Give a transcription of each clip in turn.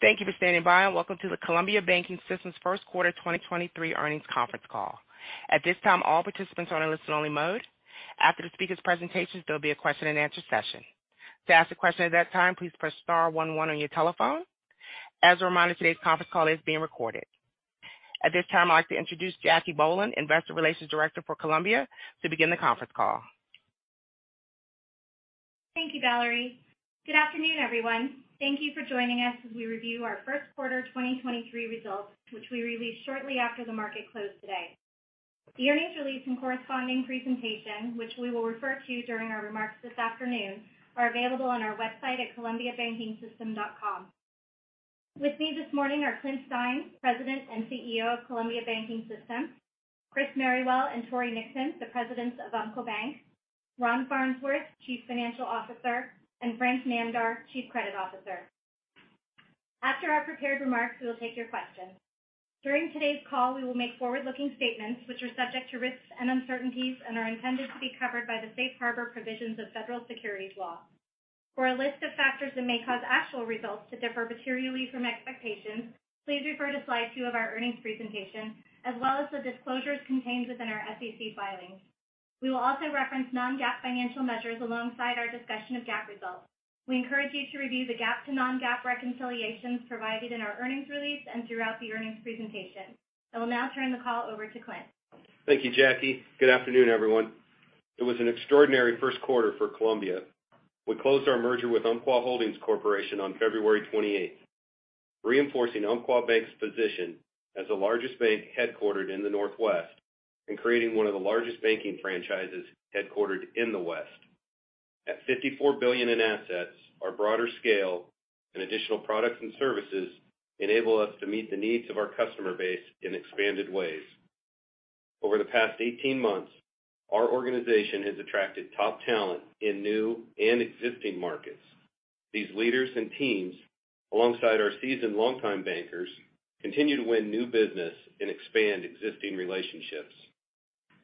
Thank you for standing by, and welcome to the Columbia Banking System's 1st quarter 2023 earnings conference call. At this time, all participants are in a listen only mode. After the speaker's presentations, there'll be a question and answer session. To ask a question at that time, please press star one one on your telephone. As a reminder, today's conference call is being recorded. At this time, I'd like to introduce Jackie Bohlen, investor relations director for Columbia to begin the conference call. Thank you, Valerie. Good afternoon everyone. Thank you for joining us as we review our first quarter 2023 results, which we released shortly after the market closed today. The earnings release and corresponding presentation, which we will refer to during our remarks this afternoon, are available on our website at columbiabankingsystem.com. With me this morning are Clint Stein, President and CEO of Columbia Banking System, Chris Merrywell and Tory Nixon, the Presidents of Umpqua Bank, Ron Farnsworth, Chief Financial Officer, and Frank Namdar, Chief Credit Officer. After our prepared remarks, we will take your questions. During today's call, we will make forward-looking statements which are subject to risks and uncertainties and are intended to be covered by the safe harbor provisions of federal securities law. For a list of factors that may cause actual results to differ materially from expectations, please refer to slide two of our earnings presentation, as well as the disclosures contained within our SEC filings. We will also reference non-GAAP financial measures alongside our discussion of GAAP results. We encourage you to review the GAAP to non-GAAP reconciliations provided in our earnings release and throughout the earnings presentation. I will now turn the call over to Clint. Thank you, Jackie. Good afternoon, everyone. It was an extraordinary first quarter for Columbia. We closed our merger with Umpqua Holdings Corporation on February 28th, reinforcing Umpqua Bank's position as the largest bank headquartered in the Northwest and creating one of the largest banking franchises headquartered in the West. At $54 billion in assets, our broader scale and additional products and services enable us to meet the needs of our customer base in expanded ways. Over the past 18 months, our organization has attracted top talent in new and existing markets. These leaders and teams, alongside our seasoned longtime bankers, continue to win new business and expand existing relationships.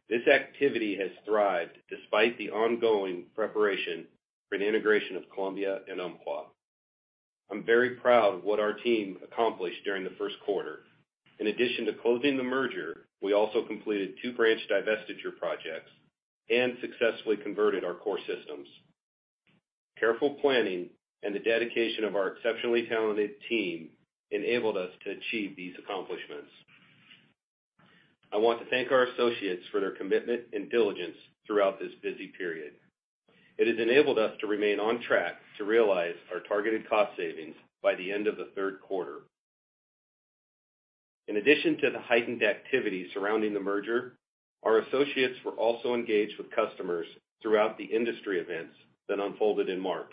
This activity has thrived despite the ongoing preparation for an integration of Columbia and Umpqua. I'm very proud of what our team accomplished during the 1st quarter. In addition to closing the merger, we also completed two branch divestiture projects and successfully converted our core systems. Careful planning and the dedication of our exceptionally talented team enabled us to achieve these accomplishments. I want to thank our associates for their commitment and diligence throughout this busy period. It has enabled us to remain on track to realize our targeted cost savings by the end of the third quarter. In addition to the heightened activity surrounding the merger, our associates were also engaged with customers throughout the industry events that unfolded in March.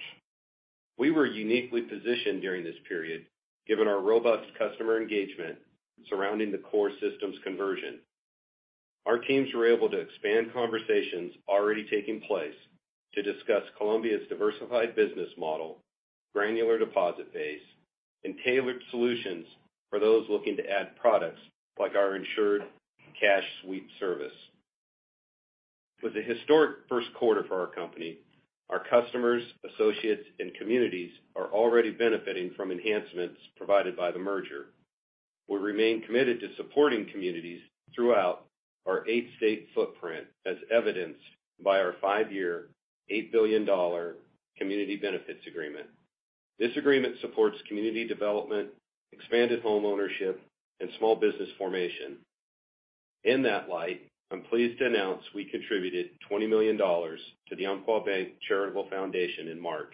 We were uniquely positioned during this period, given our robust customer engagement surrounding the core systems conversion. Our teams were able to expand conversations already taking place to discuss Columbia's diversified business model, granular deposit base and tailored solutions for those looking to add products like our Insured Cash Sweep service. With a historic first quarter for our company, our customers, associates and communities are already benefiting from enhancements provided by the merger. We remain committed to supporting communities throughout our eight state footprint as evidenced by our five-year, $8 billion Community Benefits Agreement. This agreement supports community development, expanded homeownership and small business formation. In that light, I'm pleased to announce we contributed $20 million to the Umpqua Bank Charitable Foundation in March.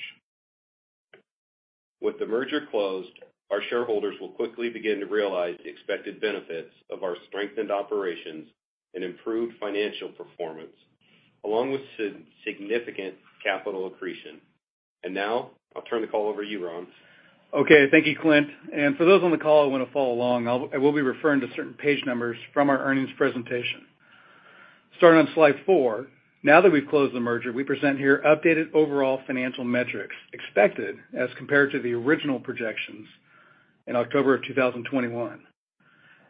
With the merger closed, our shareholders will quickly begin to realize the expected benefits of our strengthened operations and improved financial performance, along with significant capital accretion. Now I'll turn the call over to you, Ron. Okay, thank you, Clint. For those on the call who want to follow along, I will be referring to certain page numbers from our earnings presentation. Starting on slide four. Now that we've closed the merger, we present here updated overall financial metrics expected as compared to the original projections in October of 2021.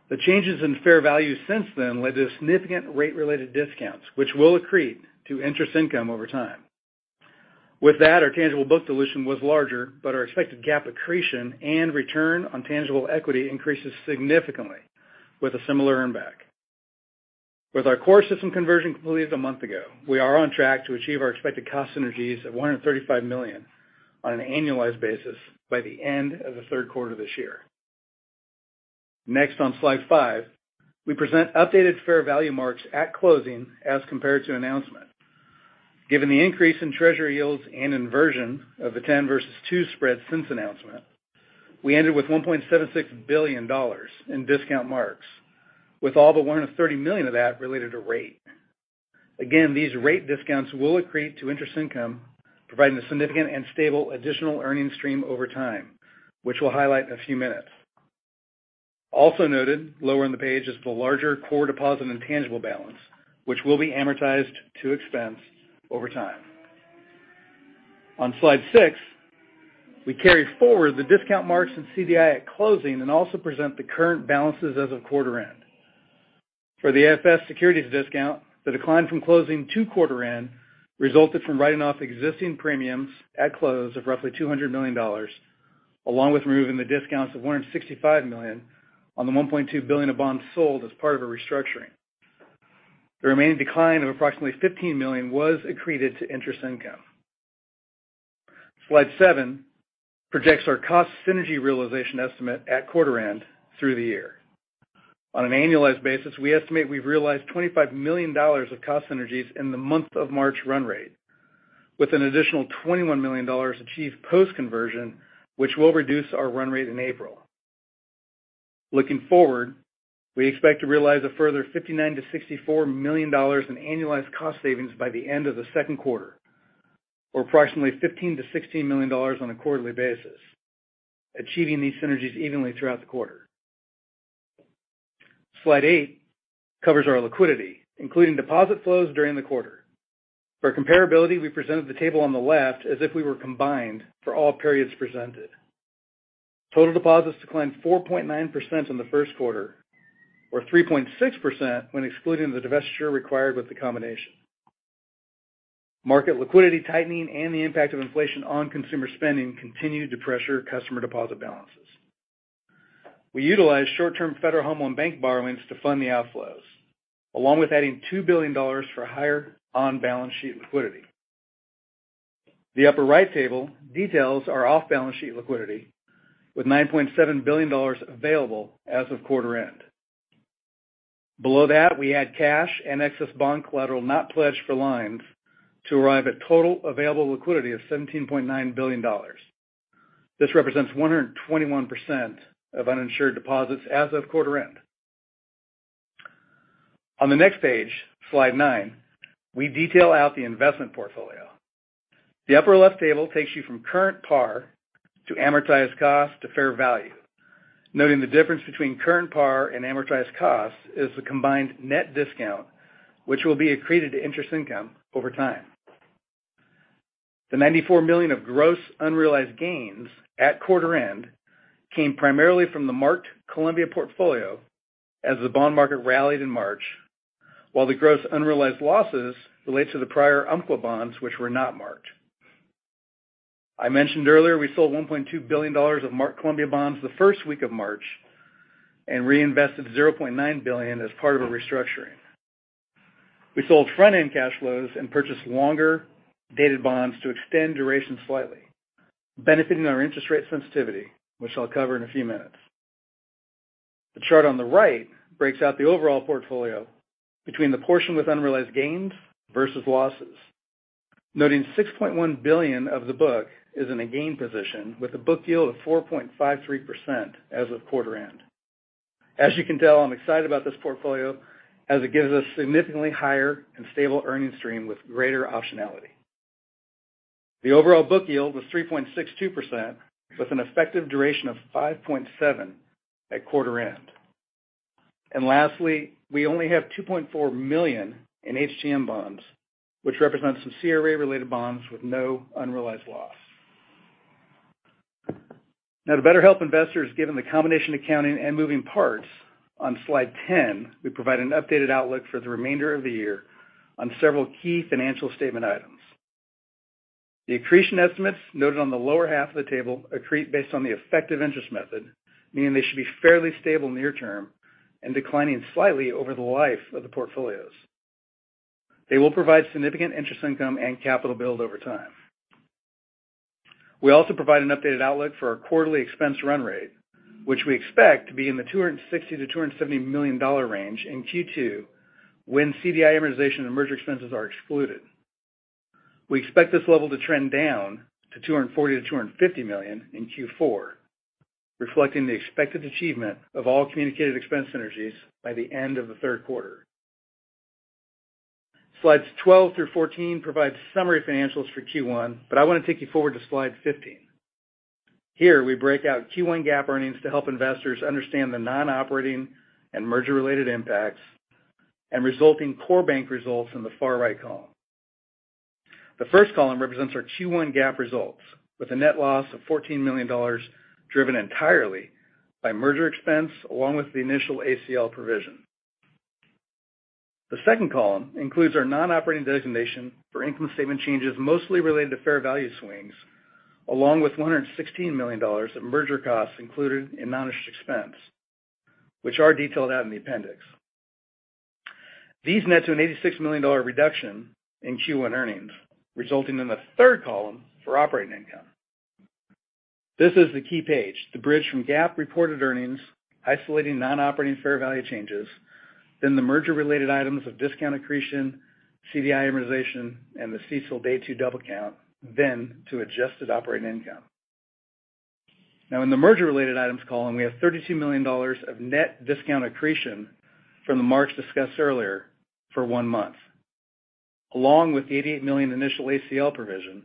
The changes in fair value since then led to significant rate related discounts, which will accrete to interest income over time. With that, our tangible book dilution was larger, but our expected GAAP accretion and return on tangible equity increases significantly with a similar earn-back. With our core system conversion completed a month ago, we are on track to achieve our expected cost synergies of $135 million on an annualized basis by the end of the third quarter this year. On slide five, we present updated fair value marks at closing as compared to announcement. Given the increase in treasury yields and inversion of the 10 versus two spread since announcement, we ended with $16 billion in discount marks, with all but $130 million of that related to rate. These rate discounts will accrete to interest income, providing a significant and stable additional earning stream over time, which we'll highlight in a few minutes. Noted lower on the page is the larger core deposit and tangible balance, which will be amortized to expense over time. On slide six we carry forward the discount marks in CDI at closing and also present the current balances as of quarter end. For the AFS securities discount, the decline from closing to quarter end resulted from writing off existing premiums at close of roughly $200 million, along with removing the discounts of $165 million on the $1.2 billion of bonds sold as part of a restructuring. The remaining decline of approximately $15 million was accreted to interest income. Slide seven projects our cost synergy realization estimate at quarter end through the year. On an annualized basis, we estimate we've realized $25 million of cost synergies in the month of March run rate, with an additional $21 million achieved post-conversion, which will reduce our run rate in April. Looking forward, we expect to realize a further $59 million-$64 million in annualized cost savings by the end of the second quarter, or approximately $15 million-$16 million on a quarterly basis, achieving these synergies evenly throughout the quarter. Slide 8 covers our liquidity, including deposit flows during the quarter. For comparability, we presented the table on the left as if we were combined for all periods presented. Total deposits declined 4.9% in the first quarter, or 3.6% when excluding the divestiture required with the combination. Market liquidity tightening and the impact of inflation on consumer spending continued to pressure customer deposit balances. We utilized short-term Federal Home Loan Bank borrowings to fund the outflows, along with adding $2 billion for higher on-balance sheet liquidity. The upper right table details our off-balance sheet liquidity with $9.7 billion available as of quarter end. Below that, we add cash and excess bond collateral not pledged for lines to arrive at total available liquidity of $17.9 billion. This represents 121% of uninsured deposits as of quarter end. On the next page, slide nine, we detail out the investment portfolio. The upper left table takes you from current par to amortized cost to fair value, noting the difference between current par and amortized cost is the combined net discount, which will be accreted to interest income over time. The $94 million of gross unrealized gains at quarter end came primarily from the marked Columbia portfolio as the bond market rallied in March, while the gross unrealized losses relate to the prior Umpqua bonds which were not marked. I mentioned earlier, we sold $1.2 billion of marked Columbia bonds the first week of March and reinvested $0.9 billion as part of a restructuring. We sold front-end cash flows and purchased longer-dated bonds to extend duration slightly, benefiting our interest rate sensitivity, which I'll cover in a few minutes. The chart on the right breaks out the overall portfolio between the portion with unrealized gains versus losses. Noting $6.1 billion of the book is in a gain position with a book yield of 4.53% as of quarter end. As you can tell, I'm excited about this portfolio as it gives us significantly higher and stable earning stream with greater optionality. The overall book yield was 3.62% with an effective duration of 5.7 at quarter end. Lastly, we only have $2.4 million in HTM bonds, which represents some CRA-related bonds with no unrealized loss. To better help investors given the combination accounting and moving parts, on slide 10, we provide an updated outlook for the remainder of the year on several key financial statement items. The accretion estimates noted on the lower half of the table accrete based on the effective interest method, meaning they should be fairly stable near term and declining slightly over the life of the portfolios. They will provide significant interest income and capital build over time. We also provide an updated outlook for our quarterly expense run rate, which we expect to be in the $260 million-$270 million range in Q2 when CDI amortization and merger expenses are excluded. We expect this level to trend down to $240 million-$250 million in Q4, reflecting the expected achievement of all communicated expense synergies by the end of the third quarter. Slides 12 through 14 provide summary financials for Q1. I want to take you forward to slide 15. Here, we break out Q1 GAAP earnings to help investors understand the non-operating and merger-related impacts and resulting core bank results in the far right column. The first column represents our Q1 GAAP results with a net loss of $14 million driven entirely by merger expense along with the initial ACL provision. The second column includes our non-operating designation for income statement changes mostly related to fair value swings, along with $116 million of merger costs included in managed expense, which are detailed out in the appendix. These net to an $86 million reduction in Q1 earnings, resulting in the third column for operating income. This is the key page to bridge from GAAP reported earnings, isolating non-operating fair value changes, then the merger related items of discount accretion, CDI amortization, and the CECL day two double count, then to adjusted operating income. Now in the merger related items column, we have $32 million of net discount accretion from the March discussed earlier for one month, along with the $88 million initial ACL provision,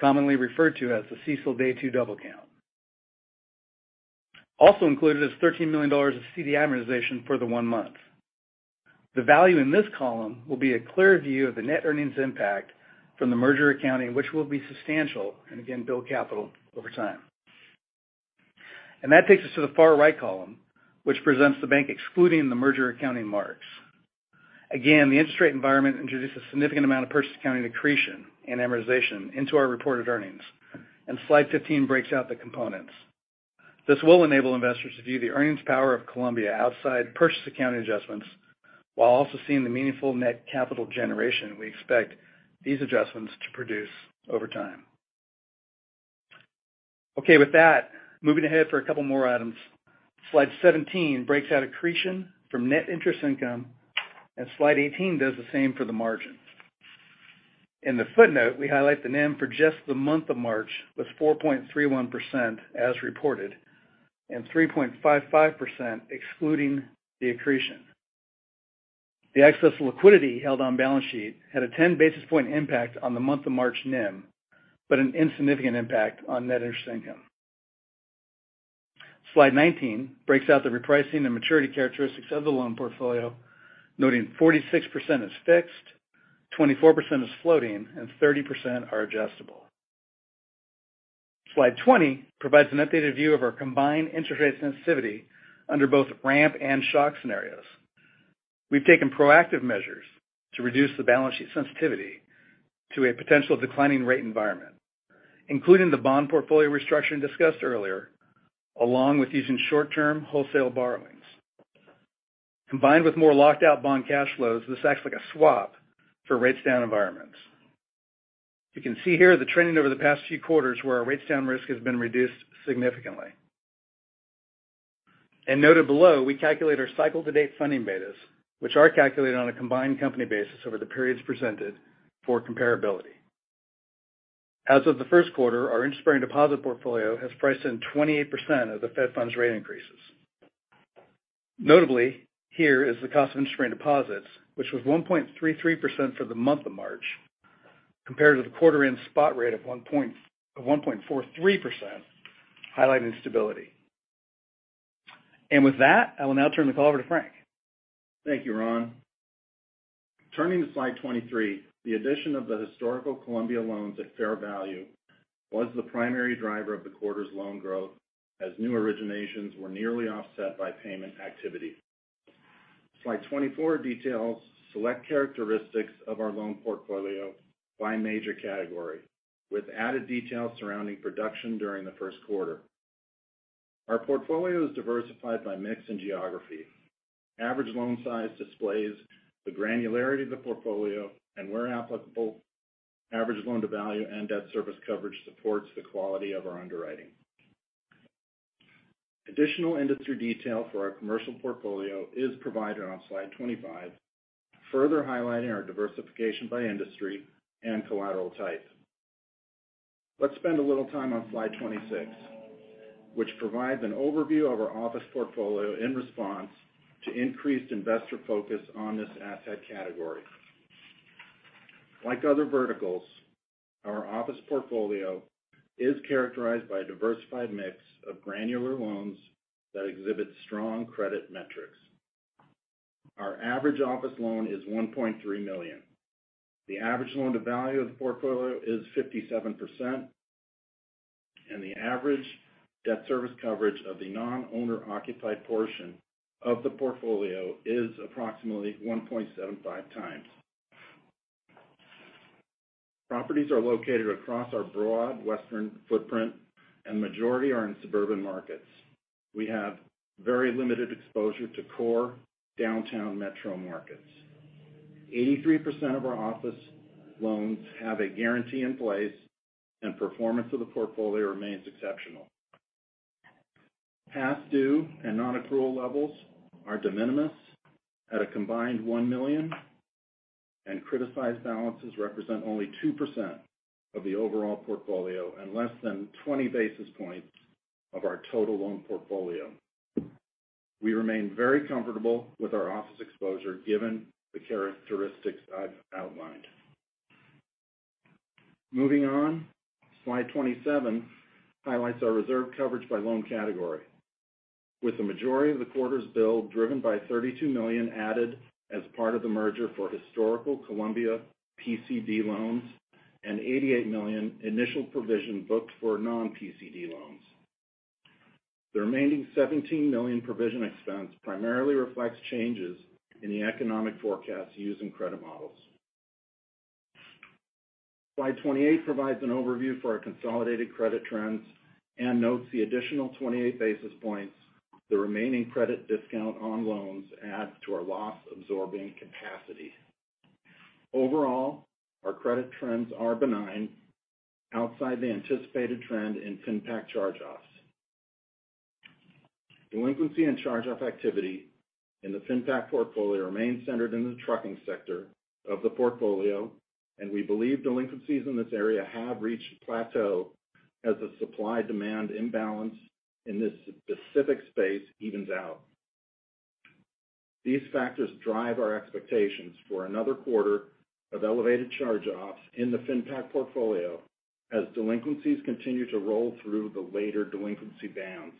commonly referred to as the CECL Day 2 double count. Also included is $13 million of CDI amortization for the one month. The value in this column will be a clear view of the net earnings impact from the merger accounting which will be substantial and again, build capital over time. That takes us to the far right column, which presents the bank excluding the merger accounting marks. Again, the interest rate environment introduces significant amount of purchase accounting accretion and amortization into our reported earnings. Slide 15 breaks out the components. This will enable investors to view the earnings power of Columbia outside purchase accounting adjustments, while also seeing the meaningful net capital generation we expect these adjustments to produce over time. Okay, with that, moving ahead for a couple more items. Slide 17 breaks out accretion from net interest income, and slide 18 does the same for the margin. In the footnote, we highlight the NIM for just the month of March was 4.31% as reported, and 3.55% excluding the accretion. The excess liquidity held on balance sheet had a 10 basis point impact on the month of March NIM, but an insignificant impact on net interest income. Slide 19 breaks out the repricing and maturity characteristics of the loan portfolio, noting 46% is fixed, 24% is floating, and 30% are adjustable. Slide 20 provides an updated view of our combined interest rate sensitivity under both ramp and shock scenarios. We've taken proactive measures to reduce the balance sheet sensitivity to a potential declining rate environment, including the bond portfolio restructure discussed earlier, along with using short-term wholesale borrowings. Combined with more locked out bond cash flows, this acts like a swap for rates down environments. You can see here the trending over the past few quarters where our rates down risk has been reduced significantly. Noted below, we calculate our cycle to date funding betas, which are calculated on a combined company basis over the periods presented for comparability. As of the first quarter, our interest bearing deposit portfolio has priced in 28% of the Fed funds rate increases. Notably, here is the cost of interest-bearing deposits, which was 1.33% for the month of March, compared to the quarter end spot rate of 1.43%, highlighting stability. With that, I will now turn the call over to Frank. Thank you, Ron. Turning to slide 23, the addition of the historical Columbia loans at fair value was the primary driver of the quarter's loan growth as new originations were nearly offset by payment activity. Slide 24 details select characteristics of our loan portfolio by major category, with added detail surrounding production during the first quarter. Our portfolio is diversified by mix and geography. Average loan size displays the granularity of the portfolio and where applicable, average loan to value and debt service coverage supports the quality of our underwriting. Additional industry detail for our commercial portfolio is provided on slide 25, further highlighting our diversification by industry and collateral type. Let's spend a little time on slide 26, which provides an overview of our office portfolio in response to increased investor focus on this asset category. Like other verticals, our office portfolio is characterized by a diversified mix of granular loans that exhibit strong credit metrics. Our average office loan is $1.3 million. The average loan to value of the portfolio is 57%, and the average debt service coverage of the non-owner occupied portion of the portfolio is approximately 1.75 times. Properties are located across our broad western footprint, and majority are in suburban markets. We have very limited exposure to core downtown metro markets. 83% of our office loans have a guarantee in place, and performance of the portfolio remains exceptional. Past due and non-accrual levels are de minimis at a combined $1 million, and criticized balances represent only 2% of the overall portfolio and less than 20 basis points of our total loan portfolio. We remain very comfortable with our office exposure given the characteristics I've outlined. Moving on, slide 27 highlights our reserve coverage by loan category, with the majority of the quarter's build driven by $32 million added as part of the merger for historical Columbia PCD loans and $88 million initial provision booked for non-PCD loans. The remaining $17 million provision expense primarily reflects changes in the economic forecasts used in credit models. Slide 28 provides an overview for our consolidated credit trends and notes the additional 28 basis points the remaining credit discount on loans add to our loss-absorbing capacity. Overall, our credit trends are benign outside the anticipated trend in FinPac charge-offs. Delinquency and charge-off activity in the FinPac portfolio remain centered in the trucking sector of the portfolio, and we believe delinquencies in this area have reached a plateau as the supply-demand imbalance in this specific space evens out. These factors drive our expectations for another quarter of elevated charge-offs in the FinPac portfolio as delinquencies continue to roll through the later delinquency bands.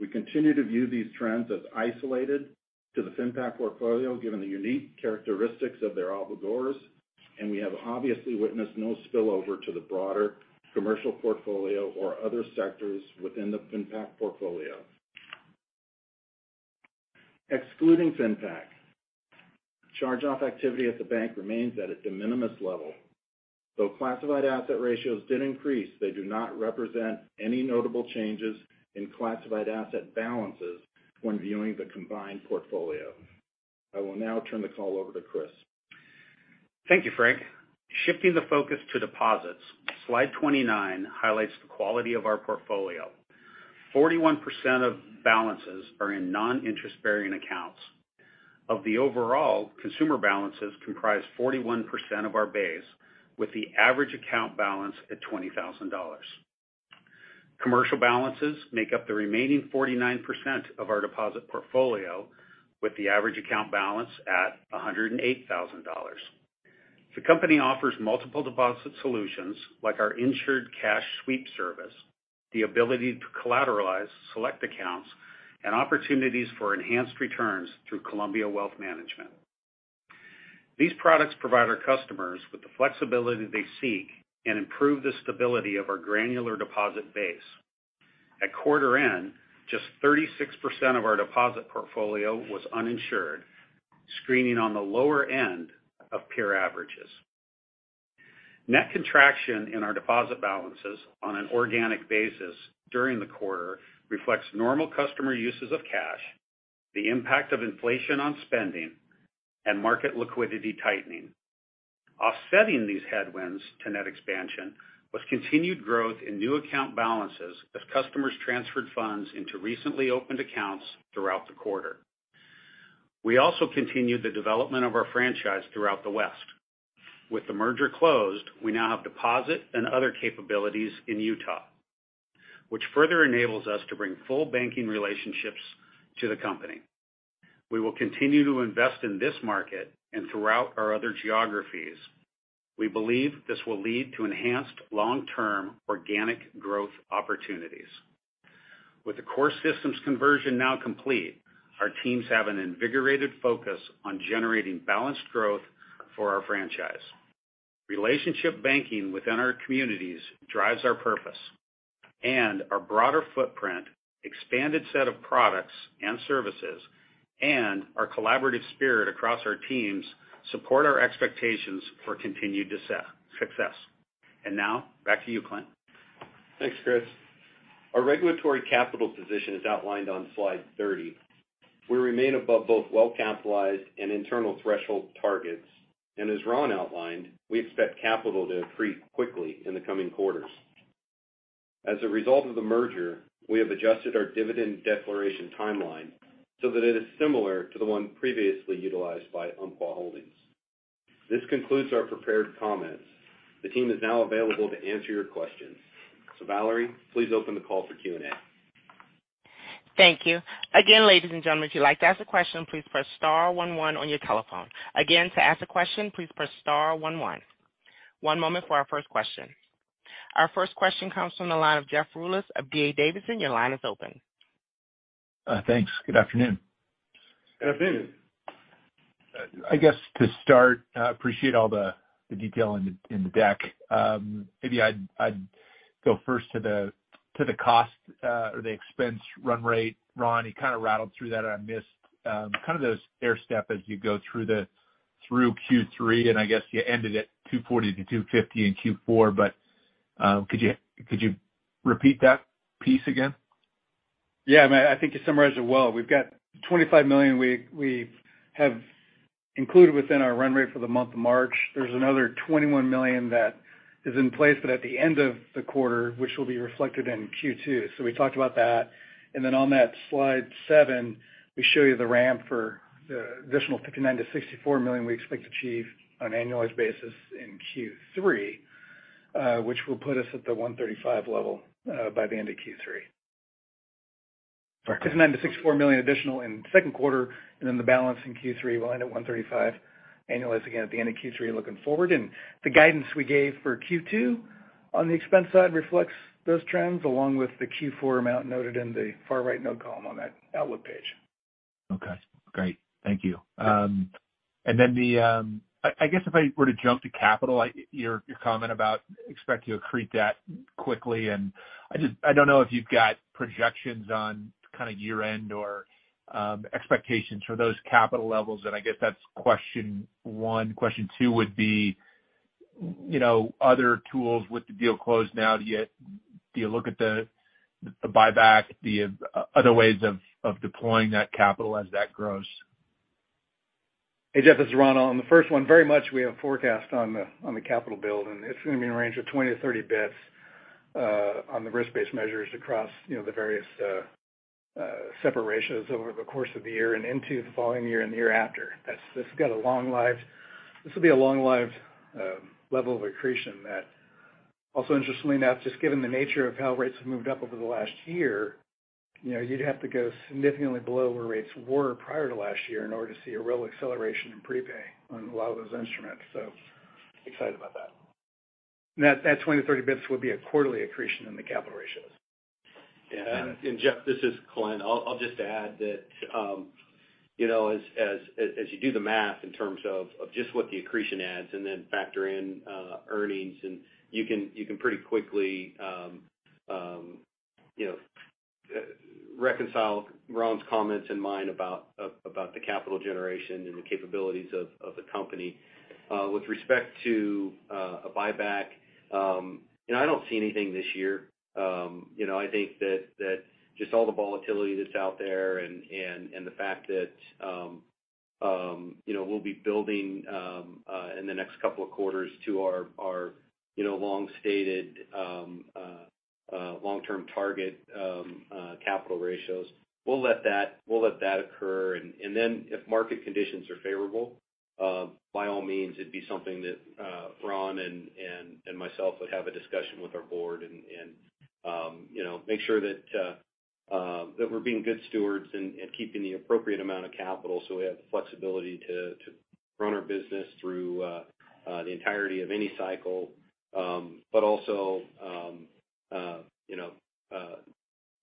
We continue to view these trends as isolated to the FinPac portfolio, given the unique characteristics of their obligors, and we have obviously witnessed no spillover to the broader commercial portfolio or other sectors within the FinPac portfolio. Excluding FinPac, charge-off activity at the bank remains at a de minimis level. Though classified asset ratios did increase, they do not represent any notable changes in classified asset balances when viewing the combined portfolio. I will now turn the call over to Chris. Thank you, Frank. Shifting the focus to deposits, slide 29 highlights the quality of our portfolio. 41% of balances are in non-interest bearing accounts. Of the overall, consumer balances comprise 41% of our base, with the average account balance at $20,000. Commercial balances make up the remaining 49% of our deposit portfolio, with the average account balance at $108,000. The company offers multiple deposit solutions, like our Insured Cash Sweep service, the ability to collateralize select accounts and opportunities for enhanced returns through Columbia Wealth Management. These products provide our customers with the flexibility they seek and improve the stability of our granular deposit base. At quarter end, just 36% of our deposit portfolio was uninsured, screening on the lower end of peer averages. Net contraction in our deposit balances on an organic basis during the quarter reflects normal customer uses of cash, the impact of inflation on spending and market liquidity tightening. Offsetting these headwinds to net expansion was continued growth in new account balances as customers transferred funds into recently opened accounts throughout the quarter. We also continued the development of our franchise throughout the West. With the merger closed, we now have deposit and other capabilities in Utah, which further enables us to bring full banking relationships to the company. We will continue to invest in this market and throughout our other geographies. We believe this will lead to enhanced long-term organic growth opportunities. With the core systems conversion now complete, our teams have an invigorated focus on generating balanced growth for our franchise. Relationship banking within our communities drives our purpose, our broader footprint, expanded set of products and services, and our collaborative spirit across our teams support our expectations for continued success. Now back to you, Clint. Thanks, Chris. Our regulatory capital position is outlined on slide 30. We remain above both well capitalized and internal threshold targets. As Ron outlined, we expect capital to accrete quickly in the coming quarters. As a result of the merger, we have adjusted our dividend declaration timeline so that it is similar to the one previously utilized by Umpqua Holdings. This concludes our prepared comments. The team is now available to answer your questions. Valerie, please open the call for Q&A. Thank you. Again, ladies and gentlemen, if you'd like to ask a question, please press star one one on your telephone. Again, to ask a question, please press star one one. One moment for our first question. Our first question comes from the line of Jeff Rulis of D.A. Davidson. Your line is open. Thanks. Good afternoon. Good afternoon. I guess to start, I appreciate all the detail in the, in the deck. Maybe I'd go first to the, to the cost, or the expense run rate. Ron, you kind of rattled through that. I missed, kind of the stairstep as you go through the, through Q3, and I guess you ended at $240 to $250 in Q4. Could you repeat that piece again? I mean I think you summarized it well. We've got $25 million we have included within our run rate for the month of March. There's another $21 million that is in place but at the end of the quarter, which will be reflected in Q2. We talked about that. Then on that slide 7, we show you the ramp for the additional $59 million-$64 million we expect to achieve on an annualized basis in Q3, which will put us at the $135 level by the end of Q3. Perfect. $59 million-$64 million additional in the second quarter. The balance in Q3 will end at $135 million annualized again at the end of Q3 looking forward. The guidance we gave for Q2 on the expense side reflects those trends, along with the Q4 amount noted in the far right note column on that outlook page. Okay, great. Thank you. I guess if I were to jump to capital, your comment about expect to accrete that quickly, and I just, I don't know if you've got projections on kind of year end or expectations for those capital levels. I guess that's question one. Question two would be, you know, other tools with the deal closed now, do you look at the buyback, other ways of deploying that capital as that grows? Hey, Jeff, this is Ron. On the first one, very much we have forecast on the, on the capital build, and it's gonna be in a range of 20 to 30 bits on the risk-based measures across, you know, the various separations over the course of the year and into the following year and the year after. This has got a long life. This will be a long-lived level of accretion that also interestingly enough, just given the nature of how rates have moved up over the last year, you know, you'd have to go significantly below where rates were prior to last year in order to see a real acceleration in prepay on a lot of those instruments. Excited about that. That 20 to 30 basis points will be a quarterly accretion in the capital ratios? Yeah. Jeff, this is Clint. I'll just add that, you know, as you do the math in terms of just what the accretion adds and then factor in earnings and you can pretty quickly, you know, reconcile Ron's comments and mine about the capital generation and the capabilities of the company. With respect to a buyback, you know, I don't see anything this year. You know, I think that just all the volatility that's out there and the fact that, you know, we'll be building in the next couple of quarters to our, you know, long-stated long-term target capital ratios. We'll let that occur. Then if market conditions are favorable, by all means, it'd be something that Ron and myself would have a discussion with our board and, you know, make sure that we're being good stewards and keeping the appropriate amount of capital so we have the flexibility to run our business through the entirety of any cycle. Also, you know,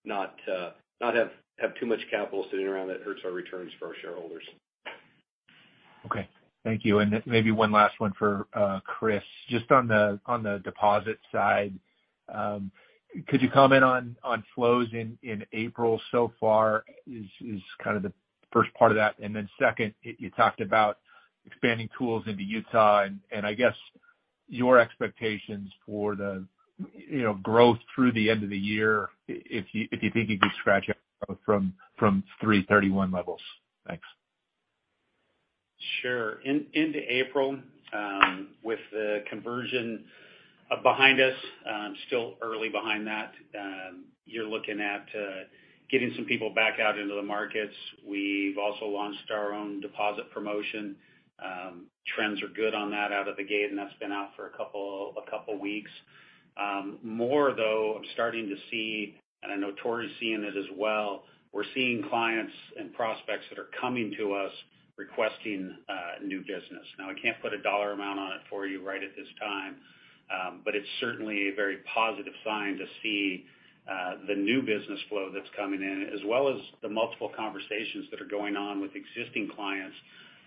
not have too much capital sitting around that hurts our returns for our shareholders. Okay. Thank you. Maybe one last one for Chris. Just on the deposit side, could you comment on flows in April so far is kind of the first part of that. Second, you talked about expanding tools into Utah and I guess your expectations for the, you know, growth through the end of the year if you think you could scratch up from 331 levels. Thanks. Sure. Into April, with the conversion behind us, still early behind that, you're looking at getting some people back out into the markets. We've also launched our own deposit promotion. Trends are good on that out of the gate, and that's been out for a couple weeks. More though, I'm starting to see, and I know Tory's seeing it as well, we're seeing clients and prospects that are coming to us requesting new business. Now, I can't put a dollar amount on it for you right at this time, but it's certainly a very positive sign to see the new business flow that's coming in, as well as the multiple conversations that are going on with existing clients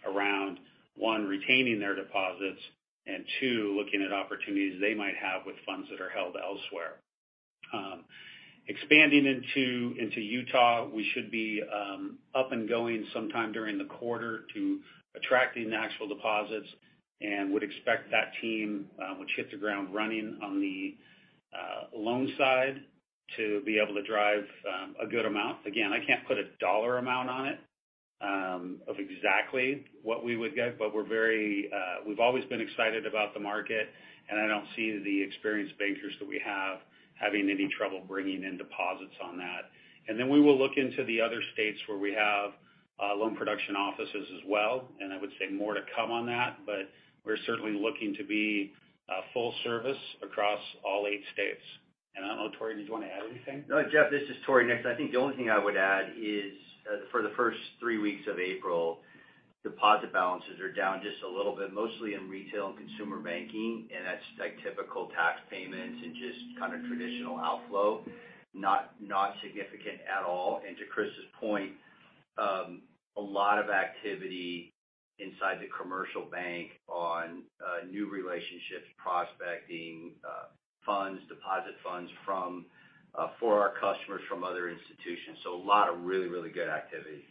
around, one, retaining their deposits, and two, looking at opportunities they might have with funds that are held elsewhere. Expanding into Utah, we should be up and going sometime during the quarter to attracting actual deposits and would expect that team, which hit the ground running on the loan side to be able to drive a good amount. Again, I can't put a dollar amount on it, of exactly what we would get, but we're very, we've always been excited about the market, and I don't see the experienced bankers that we have having any trouble bringing in deposits on that. Then we will look into the other states where we have loan production offices as well, and I would say more to come on that. We're certainly looking to be full service across all eight states. I don't know, Tory, did you want to add anything? No, Jeff, this is Tory Nixon. I think the only thing I would add is, for the first three weeks of April, deposit balances are down just a little bit, mostly in retail and consumer banking and that's like typical tax payments and just kind of traditional outflow. Not significant at all. To Chris's point, a lot of activity inside the commercial bank on new relationships, prospecting, funds, deposit funds from for our customers from other institutions. A lot of really, really good activity.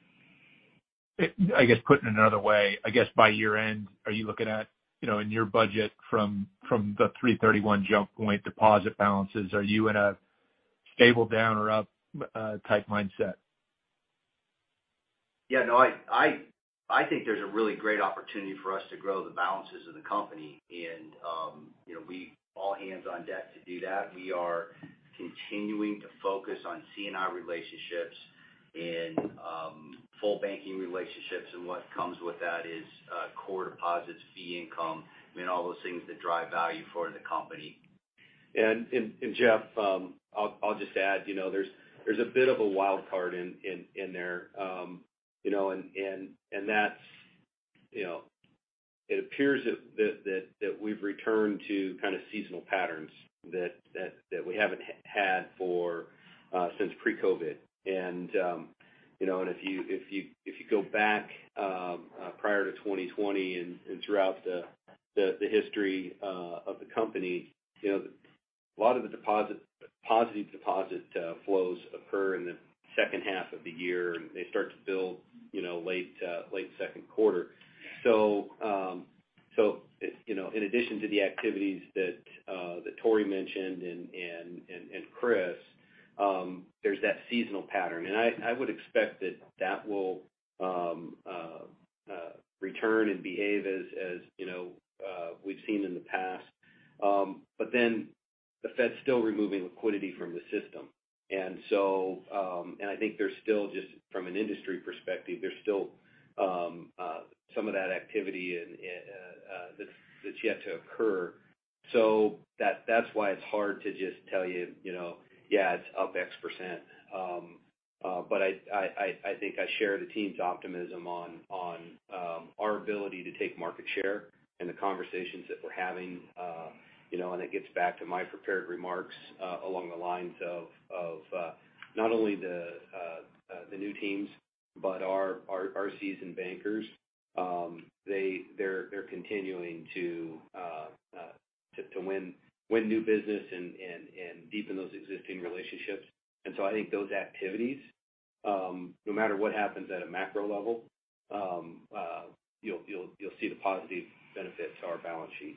I guess putting it another way, I guess by year-end, are you looking at, you know, in your budget from the 331 jump point deposit balances, are you in a stable down or up type mindset? Yeah no, I think there's a really great opportunity for us to grow the balances of the company and, you know, we all hands on deck to do that. We are continuing to focus on C&I relationships and full banking relationships and what comes with that is core deposits, fee income, I mean all those things that drive value for the company. Jeff, I'll just add, you know, there's a bit of a wild card in there. You know, that's, you know, it appears that we've returned to kind of seasonal patterns that we haven't had since pre-COVID. You know, if you go back prior to 2020 and throughout the history of the company, you know, a lot of the positive deposit flows occur in the second half of the year and they start to build, you know, late second quarter. You know, in addition to the activities that Tory mentioned and Chris, there's that seasonal pattern. I would expect that that will return and behave as, you know, we've seen in the past. The Fed's still removing liquidity from the system. I think there's still just from an industry perspective, there's still some of that activity and that's yet to occur. That's why it's hard to just tell you know, yeah, it's up X%. I think I share the team's optimism on our ability to take market share and the conversations that we're having, you know, and it gets back to my prepared remarks along the lines of not only the new teams but our seasoned bankers. They're continuing to win new business and deepen those existing relationships. I think those activities, no matter what happens at a macro level you'll see the positive benefit to our balance sheet.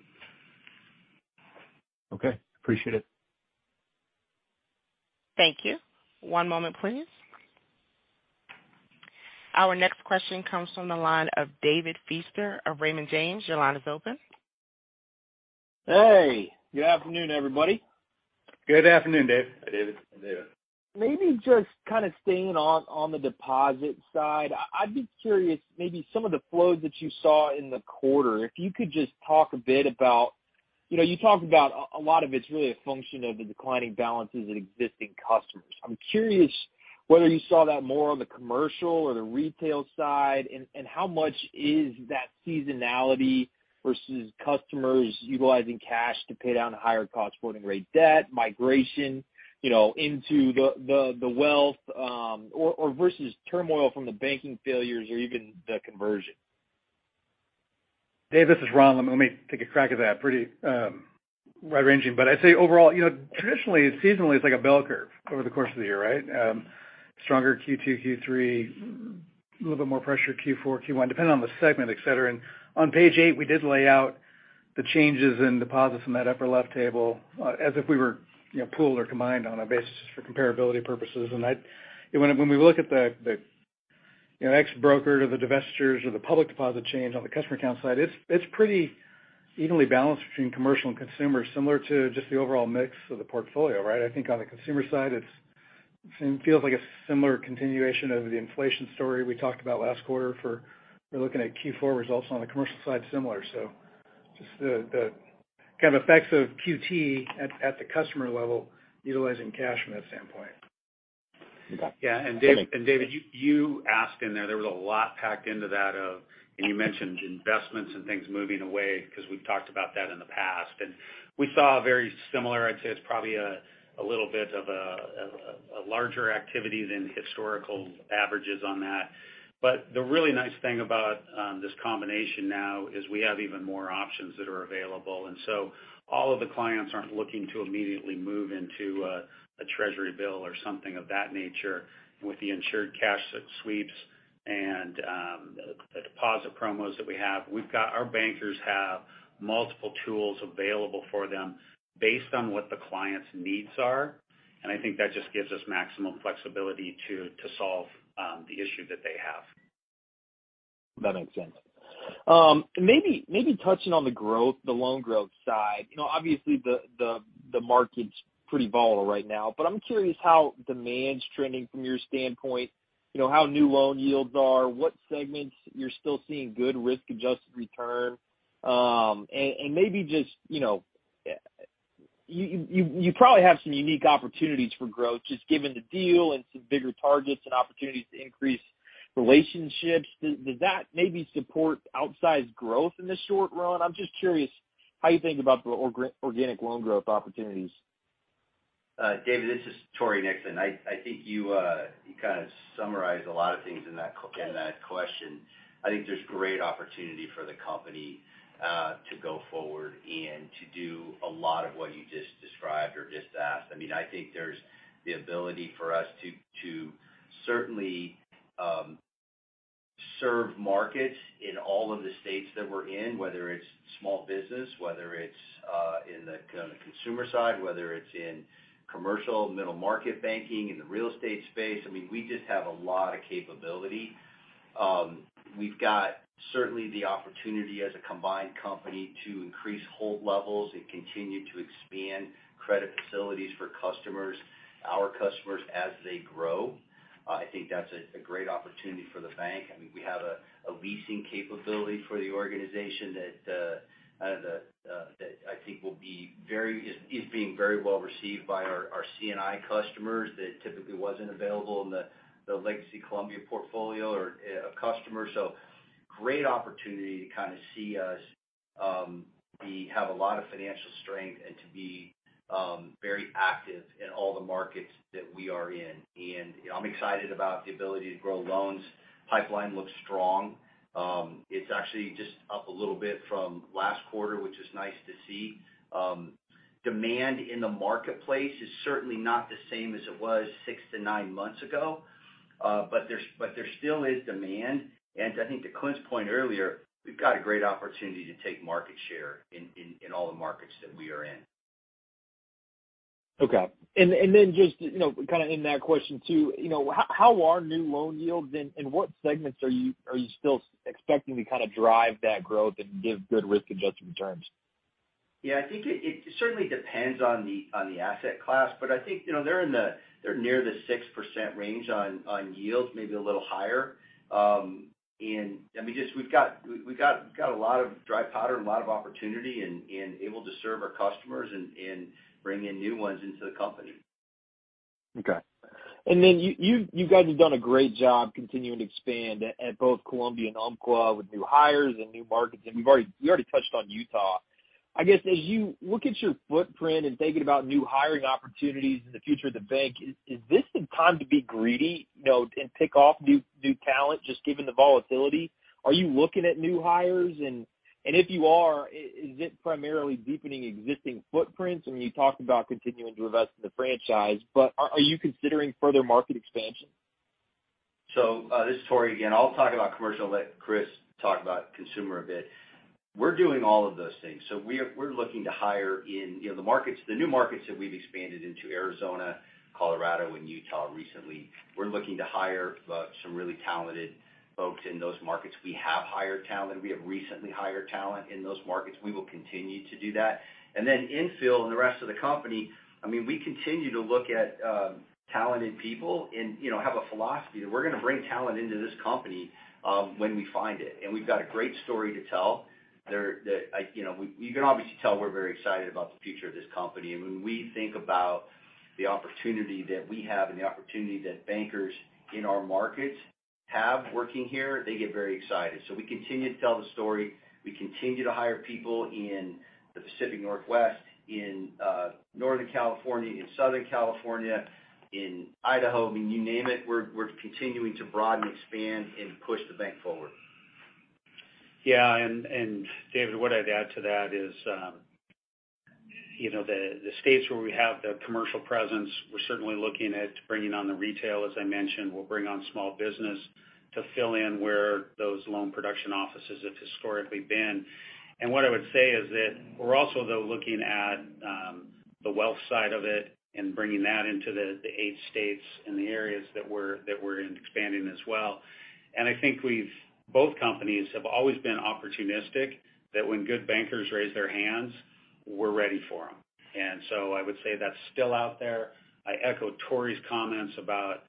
Okay. Appreciate it. Thank you. One moment please. Our next question comes from the line of David Feaster of Raymond James. Your line is open. Hey, good afternoon, everybody. Good afternoon, Dave. Hey, David. Maybe just kind of staying on the deposit side, I'd be curious, maybe some of the flows that you saw in the quarter, if you could just talk a bit about - you know, you talked about a lot of it's really a function of the declining balances of existing customers. I'm curious whether you saw that more on the commercial or the retail side and how much is that seasonality versus customers utilizing cash to pay down higher cost-boarding rate debt, migration, you know, into the wealth or versus turmoil from the banking failures or even the conversion? Dave, this is Ron. Let me take a crack at that. Pretty wide-ranging, but I'd say overall, you know, traditionally, seasonally, it's like a bell curve over the course of the year, right? Stronger Q2, Q3, a little bit more pressure Q4, Q1, depending on the segment, et cetera. On page 8, we did lay out the changes in deposits from that upper left table as if we were, you know, pooled or combined on a basis for comparability purposes. When we look at the, you know, ex broker or the divestitures or the public deposit change on the customer account side, it's pretty evenly balanced between commercial and consumer, similar to just the overall mix of the portfolio, right? I think on the consumer side, it's feels like a similar continuation of the inflation story we talked about last quarter for looking at Q4 results on the commercial side similar. Just the kind of effects of QT at the customer level utilizing cash from that standpoint. Okay. Yeah. David, you asked in there was a lot packed into that of and you mentioned investments and things moving away because we've talked about that in the past. We saw a very similar, I'd say it's probably a little bit of a larger activity than historical averages on that. The really nice thing about this combination now is we have even more options that are available. So all of the clients aren't looking to immediately move into a treasury bill or something of that nature with the Insured Cash Sweep and the deposit promos that we have. Our bankers have multiple tools available for them based on what the client's needs are, and I think that just gives us maximum flexibility to solve the issue that they have. That makes sense. maybe touching on the growth, the loan growth side. You know, obviously, the market's pretty volatile right now. I'm curious how demand's trending from your standpoint, you know, how new loan yields are, what segments you're still seeing good risk-adjusted return. Maybe just, you know, you probably have some unique opportunities for growth just given the deal and some bigger targets and opportunities to increase relationships. Does that maybe support outsized growth in the short run? I'm just curious how you think about the organic loan growth opportunities. David, this is Tory Nixon. I think you kind of summarized a lot of things in that, in that question. I think there's great opportunity for the company to go forward and to do a lot of what you just described or just asked. I mean, I think there's the ability for us to certainly serve markets in all of the states that we're in, whether it's small business, whether it's in the consumer side, whether it's in commercial, middle market banking, in the real estate space. I mean, we just have a lot of capability. We've got certainly the opportunity as a combined company to increase hold levels and continue to expand credit facilities for customers, our customers as they grow. I think that's a great opportunity for the bank. I mean we have a leasing capability for the organization that I think will be very, is being very well received by our C&I customers that typically wasn't available in the Legacy Columbia portfolio or customer. Great opportunity to kind of see us, have a lot of financial strength and to be very active in all the markets that we are in. I'm excited about the ability to grow loans. Pipeline looks strong. It's actually just up a little bit from last quarter, which is nice to see. Demand in the marketplace is certainly not the same as it was six to nine months ago. There still is demand. I think to Clint's point earlier, we've got a great opportunity to take market share in all the markets that we are in. Okay. Then just, you know, kind of in that question too, you know, how are new loan yields and what segments are you, are you still expecting to kind of drive that growth and give good risk-adjusted returns? Yeah, I think it certainly depends on the asset class. I think you know, they're near the 6% range on yields, maybe a little higher. I mean just we've got a lot of dry powder and a lot of opportunity and able to serve our customers and bring in new ones into the company. Okay. You guys have done a great job continuing to expand at both Columbia and Umpqua with new hires and new markets. You already touched on Utah. I guess, as you look at your footprint and thinking about new hiring opportunities in the future of the bank, is this the time to be greedy, you know, and pick off new talent just given the volatility? Are you looking at new hires? If you are, is it primarily deepening existing footprints? I mean, you talked about continuing to invest in the franchise, but are you considering further market expansion? This is Tory again. I'll talk about commercial, let Chris talk about consumer a bit. We're doing all of those things. We're looking to hire in, you know, the markets, the new markets that we've expanded into Arizona, Colorado, and Utah recently. We're looking to hire some really talented folks in those markets. We have hired talent. We have recently hired talent in those markets. We will continue to do that. Infill in the rest of the company, I mean, we continue to look at talented people and, you know, have a philosophy that we're gonna bring talent into this company when we find it. We've got a great story to tell that like, you know, you can obviously tell we're very excited about the future of this company. When we think about the opportunity that we have and the opportunity that bankers in our markets have working here, they get very excited. We continue to tell the story. We continue to hire people in the Pacific Northwest, in Northern California, in Southern California, in Idaho. I mean, you name it, we're continuing to broaden, expand, and push the bank forward. Yeah. David, what I'd add to that is, you know, the states where we have the commercial presence, we're certainly looking at bringing on the retail, as I mentioned. We'll bring on small business to fill in where those loan production offices have historically been. What I would say is that we're also, though, looking at the wealth side of it and bringing that into the 8 states and the areas that we're, that we're expanding as well. I think both companies have always been opportunistic, that when good bankers raise their hands, we're ready for them. So I would say that's still out there. I echo Tory's comments about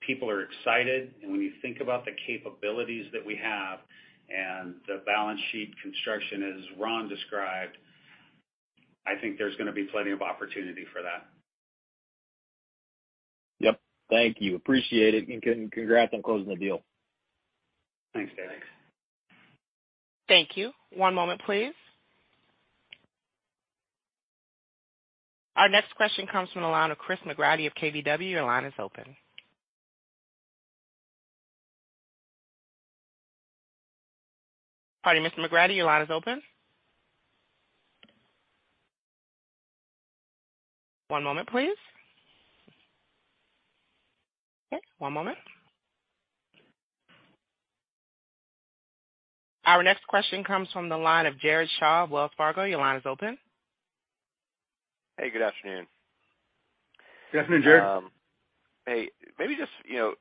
people are excited. When you think about the capabilities that we have and the balance sheet construction, as Ron described, I think there's gonna be plenty of opportunity for that. Yep. Thank you. Appreciate it and congrats on closing the deal. Thanks, David. Thanks. Thank you. One moment, please. Our next question comes from the line of Chris McGratty of KBW. Your line is open. Pardon, Mr. McGratty, your line is open. One moment, please. Okay, one moment. Our next question comes from the line of Jared Shaw of Wells Fargo. Your line is open. Hey, good afternoon. Good afternoon, Jared. Hey, maybe just, you know,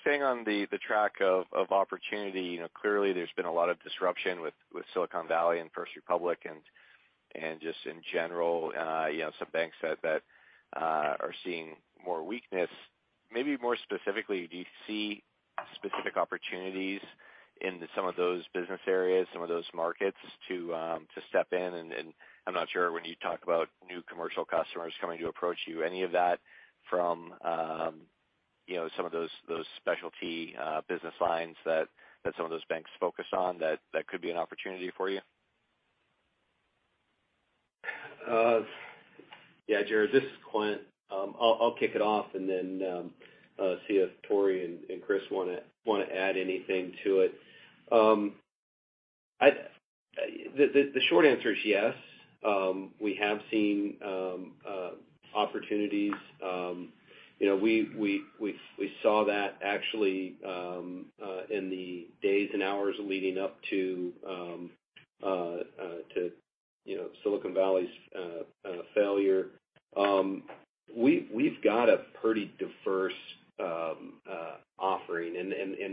staying on the track of opportunity. You know, clearly there's been a lot of disruption with Silicon Valley and First Republic, and just in general, you know, some banks that are seeing more weakness. Maybe more specifically, do you see specific opportunities into some of those business areas, some of those markets to step in and I'm not sure when you talk about new commercial customers coming to approach you, any of that from, you know, some of those specialty business lines that some of those banks focus on, that could be an opportunity for you? Yeah, Jared, this is Clint. I'll kick it off and then see if Tory and Chris wanna add anything to it. The short answer is yes. We have seen opportunities. You know, we saw that actually in the days and hours leading up to, you know, Silicon Valley's failure. We've got a pretty diverse offering.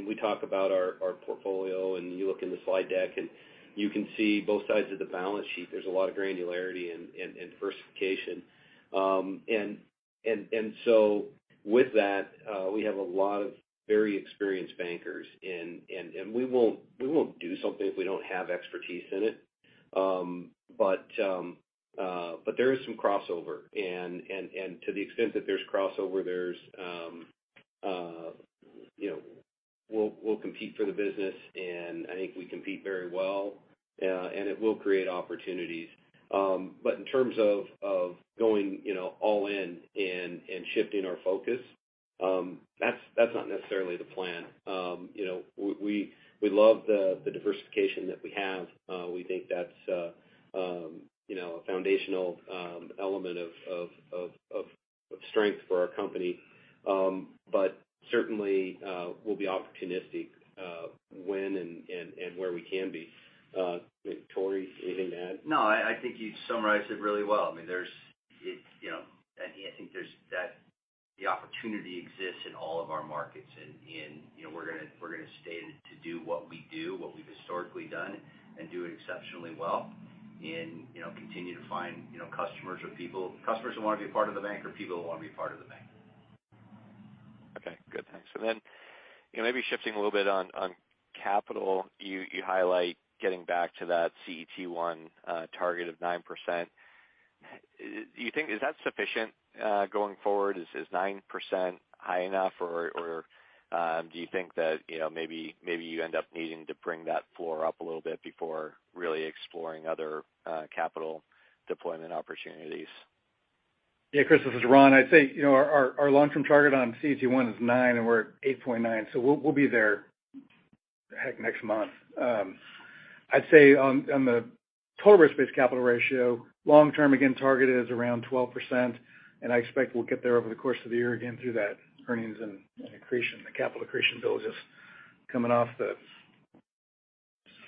We talk about our portfolio, and you look in the slide deck and you can see both sides of the balance sheet. There's a lot of granularity and diversification. With that, we have a lot of very experienced bankers. We won't do something if we don't have expertise in it. There is some crossover. To the extent that there's crossover, there's, you know, we'll compete for the business, and I think we compete very well and it will create opportunities. In terms of going, you know, all in and shifting our focus, that's not necessarily the plan. You know, we love the diversification that we have. We think that's, you know, a foundational element of strength for our company. Certainly we'll be opportunistic when and where we can be. Tory, anything to add? No, I think you summarized it really well. I mean, there's, you know, I think there's that the opportunity exists in all of our markets and, you know, we're gonna stay to do what we do, what we've historically done, and do it exceptionally well. In, you know, continue to find, you know, customers or people who want to be a part of the bank or people who want to be a part of the bank. Okay. Good. Thanks. You know, maybe shifting a little bit on capital, you highlight getting back to that CET1 target of 9%. Is that sufficient going forward? Is 9% high enough or, do you think that, you know, maybe you end up needing to bring that floor up a little bit before really exploring other capital deployment opportunities? Yeah, Chris, this is Ron. I'd say, you know, our long-term target on CET1 is nine, and we're at 8.9. We'll be there, heck next month. I'd say on the total risk-based capital ratio, long term, again, target is around 12%, and I expect we'll get there over the course of the year again through that earnings and accretion, the capital accretion diligence coming off the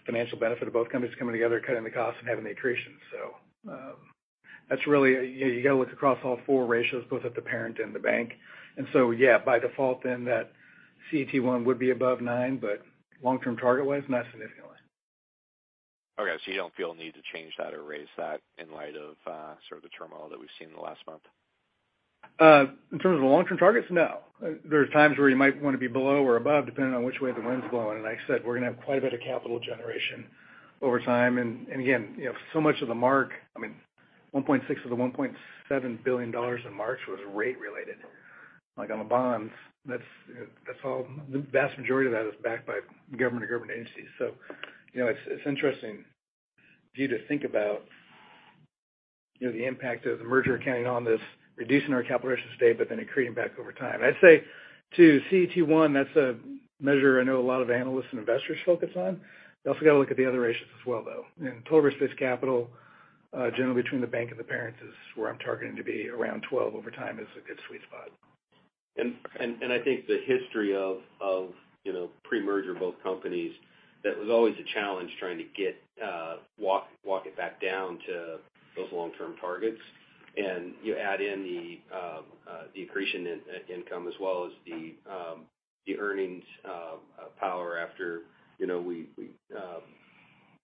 financial benefit of both companies coming together, cutting the costs and having the accretion. That's really, you got to look across all 4 ratios, both at the parent and the bank. Yeah, by default then that CET1 would be above nine, but long-term target-wise, not significantly. Okay. You don't feel a need to change that or raise that in light of, sort of the turmoil that we've seen in the last month? In terms of the long-term targets, no. There are times where you might want to be below or above, depending on which way the wind's blowing. Like I said, we're going to have quite a bit of capital generation over time. Again, you know, so much of the mark, I mean, $1.6 billion of the $1.7 billion in March was rate related, like on the bonds. That's all the vast majority of that is backed by government or government agencies. You know, it's interesting for you to think about, you know, the impact of the merger accounting on this, reducing our capital ratio state, but then accreting back over time. I'd say to CET1, that's a measure I know a lot of analysts and investors focus on. You also got to look at the other ratios as well, though. Total risk-based capital, generally between the bank and the parents is where I'm targeting to be around 12 over time is a good sweet spot. I think the history of, you know, pre-merger both companies, that was always a challenge trying to get walk it back down to those long-term targets. You add in the accretion in-income as well as the earnings power after, you know, we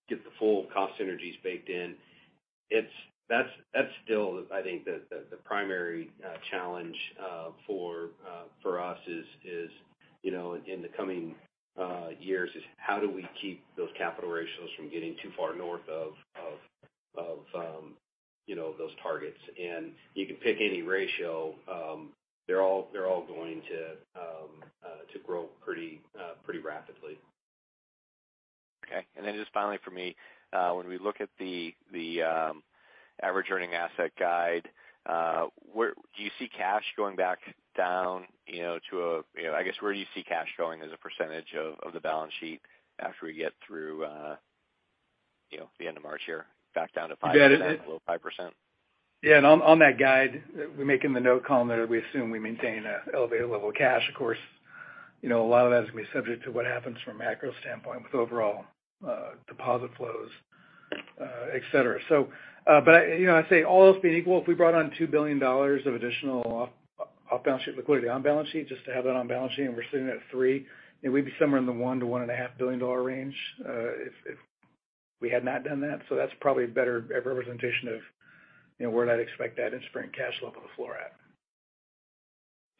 get the full cost synergies baked in. That's still - I think, the primary challenge for us is, you know, in the coming years is how do we keep those capital ratios from getting too far north of, you know, those targets. You can pick any ratio, they're all going to grow pretty rapidly. Okay. just finally for me, when we look at the average earning asset guide, where do you see cash going back down, you know, to a, you know, I guess, where do you see cash going as a percentage of the balance sheet after we get through, you know, the end of March here, back down to 5%, below 5%? Yeah. On that guide we make in the note column there, we assume we maintain an elevated level of cash. Of course, you know, a lot of that is going to be subject to what happens from a macro standpoint with overall deposit flows, et cetera. But, you know, I'd say all else being equal, if we brought on $2 billion of additional off-balance sheet liquidity on balance sheet just to have that on balance sheet and we're sitting at $3 billion, we'd be somewhere in the $1 billion-$1.5 billion range, if we had not done that. That's probably a better representation of, you know, where I'd expect that in-spring cash level to floor at.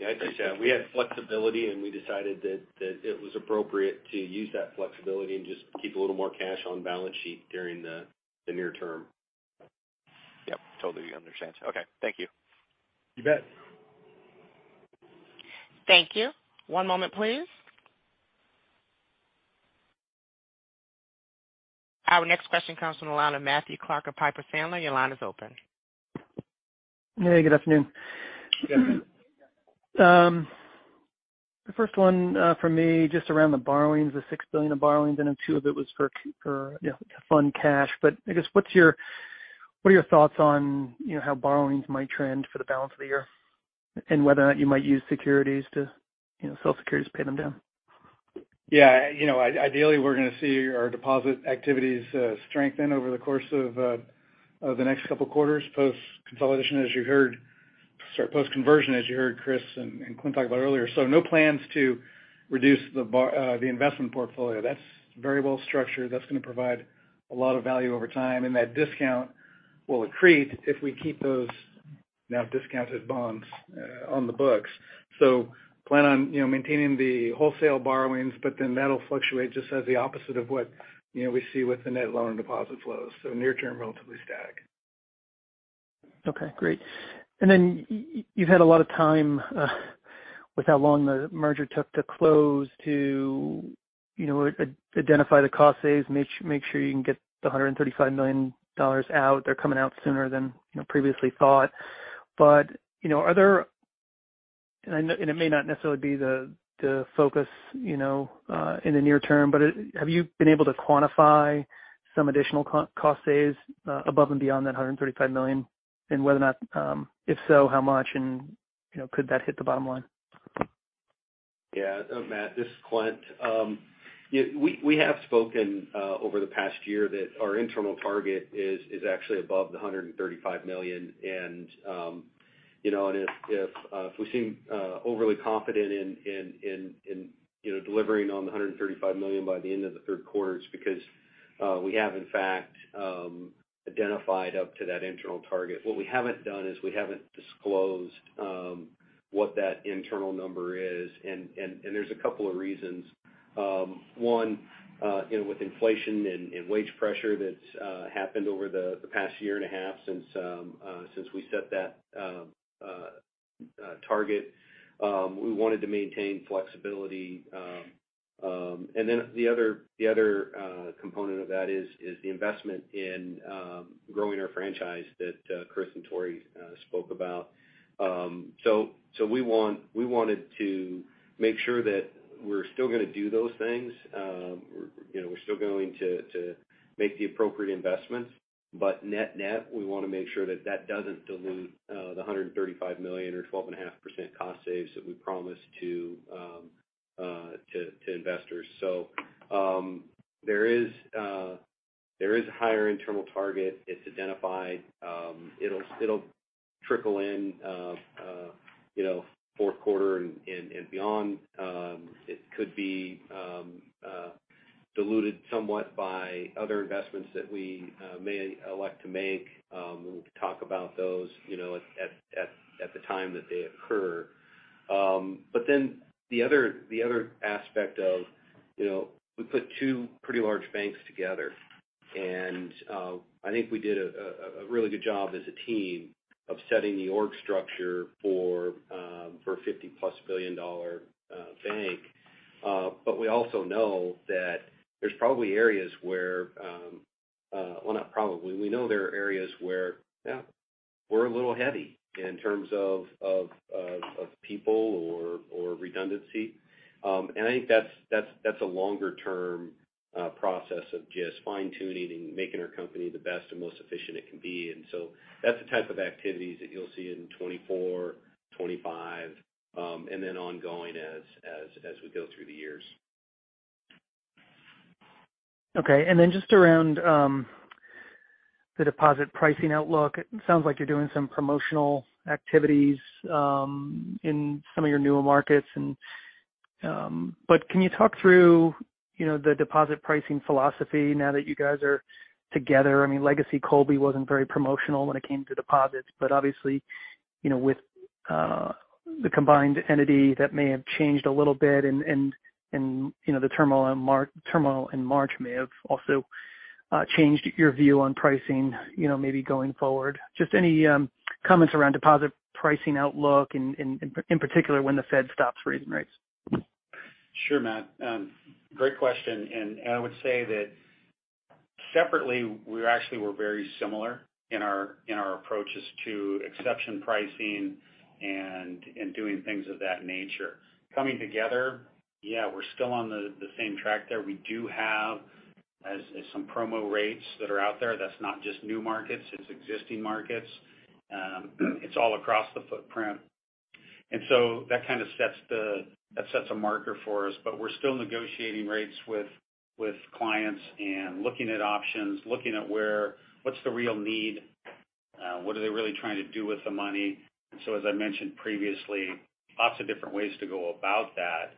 Yeah, I'd say same. We had flexibility and we decided that it was appropriate to use that flexibility and just keep a little more cash on balance sheet during the near term. Yep. Totally understand. Okay. Thank you. You bet. Thank you. One moment please. Our next question comes from the line of Matthew Clark of Piper Sandler. Your line is open. Hey, good afternoon. Good afternoon. The first one, for me, just around the borrowings, the $6 billion of borrowings, I know two of it was for to fund cash. I guess, what are your thoughts on how borrowings might trend for the balance of the year, and whether or not you might use securities to sell securities to pay them down? Yeah. You know, ideally we're going to see our deposit activities strengthen over the course of the next couple quarters post-consolidation, as you heard post-conversion, as you heard Chris and Clint talk about earlier. No plans to reduce the investment portfolio. That's very well structured. That's going to provide a lot of value over time and that discount will accrete if we keep those now discounted bonds on the books. Plan on, you know, maintaining the wholesale borrowings, that'll fluctuate just as the opposite of what, you know, we see with the net loan and deposit flows. Near term, relatively static. Okay, great. You've had a lot of time with how long the merger took to close to, you know, identify the cost saves, make sure you can get the $135 million out. They're coming out sooner than, you know, previously thought. You know, are there, and I know it may not necessarily be the focus, you know, in the near term, but have you been able to quantify some additional cost saves above and beyond that $135 million? Whether or not, if so, how much? You know, could that hit the bottom line? Yeah. Matt, this is Clint. Yeah, we have spoken over the past year that our internal target is actually above the $135 million. You know, if we seem overly confident in, you know, delivering on the $135 million by the end of the 3rd quarter, it's because we have in fact identified up to that internal target. What we haven't done is we haven't disclosed what that internal number is. There's a couple of reasons. One, you know, with inflation and wage pressure that's happened over the past year and a half since we set that target, we wanted to maintain flexibility. The other, the other component of that is the investment in growing our franchise that Chris and Tory spoke about. We wanted to make sure that we're still gonna do those things, you know, we're still going to make the appropriate investments. Net-net, we wanna make sure that that doesn't dilute the $135 million or 12.5% cost saves that we promised to investors. There is a higher internal target. It's identified. It'll trickle in, you know, fourth quarter and beyond. It could be diluted somewhat by other investments that we may elect to make. We'll talk about those, you know, at the time that they occur. The other aspect of, you know, we put two pretty large banks together, and I think we did a really good job as a team of setting the org structure for a $50-plus billion bank. We also know that there's probably areas where, well, not probably, we know there are areas where, yeah, we're a little heavy in terms of people or redundancy. I think that's a longer-term process of just fine-tuning and making our company the best and most efficient it can be. That's the type of activities that you'll see in 2024, 2025, and then ongoing as we go through the years. Just around the deposit pricing outlook, it sounds like you're doing some promotional activities in some of your newer markets. Can you talk through, you know, the deposit pricing philosophy now that you guys are together? I mean, Legacy Columbia wasn't very promotional when it came to deposits, but obviously you know, with the combined entity, that may have changed a little bit and, you know, the turmoil in March may have also changed your view on pricing, you know, maybe going forward. Just any comments around deposit pricing outlook in particular when the Fed stops raising rates? Sure, Matt. Great question. I would say that separately, we actually were very similar in our approaches to exception pricing and doing things of that nature. Coming together, yeah we're still on the same track there. We do have as some promo rates that are out there. That's not just new markets, it's existing markets. It's all across the footprint. That sets a marker for us. We're still negotiating rates with clients and looking at options, looking at where, what's the real need, what are they really trying to do with the money. As I mentioned previously, lots of different ways to go about that.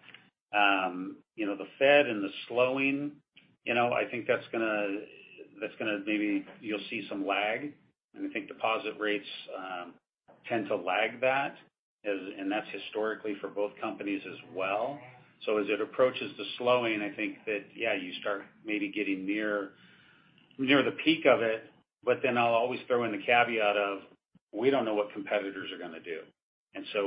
You know, the Fed and the slowing, you know, I think that's gonna. Maybe you'll see some lag. I think deposit rates tend to lag that, and that's historically for both companies as well. As it approaches the slowing, I think that, yeah, you start maybe getting near the peak of it. I'll always throw in the caveat of, we don't know what competitors are gonna do.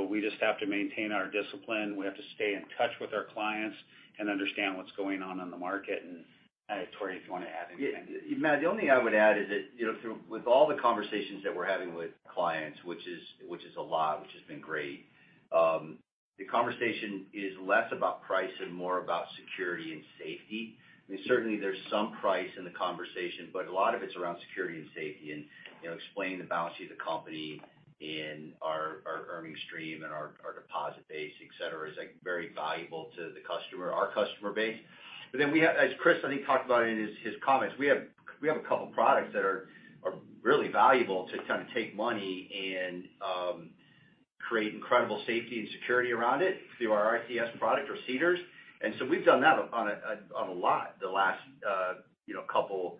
We just have to maintain our discipline. We have to stay in touch with our clients and understand what's going on on the market. Tory, if you want to add anything? Yeah. Matt, the only I would add is that, you know, with all the conversations that we're having with clients, which is a lot, which has been great, the conversation is less about price and more about security and safety. I mean, certainly there's some price in the conversation, but a lot of it's around security and safety and, you know, explaining the balance sheet of the company and our earning stream and our deposit base, et cetera, is, like, very valuable to the customer, our customer base. As Chris, I think, talked about in his comments, we have a couple products that are really valuable to kind of take money and create incredible safety and security around it through our ICS product or CDARS. We've done that on a lot the last, you know, couple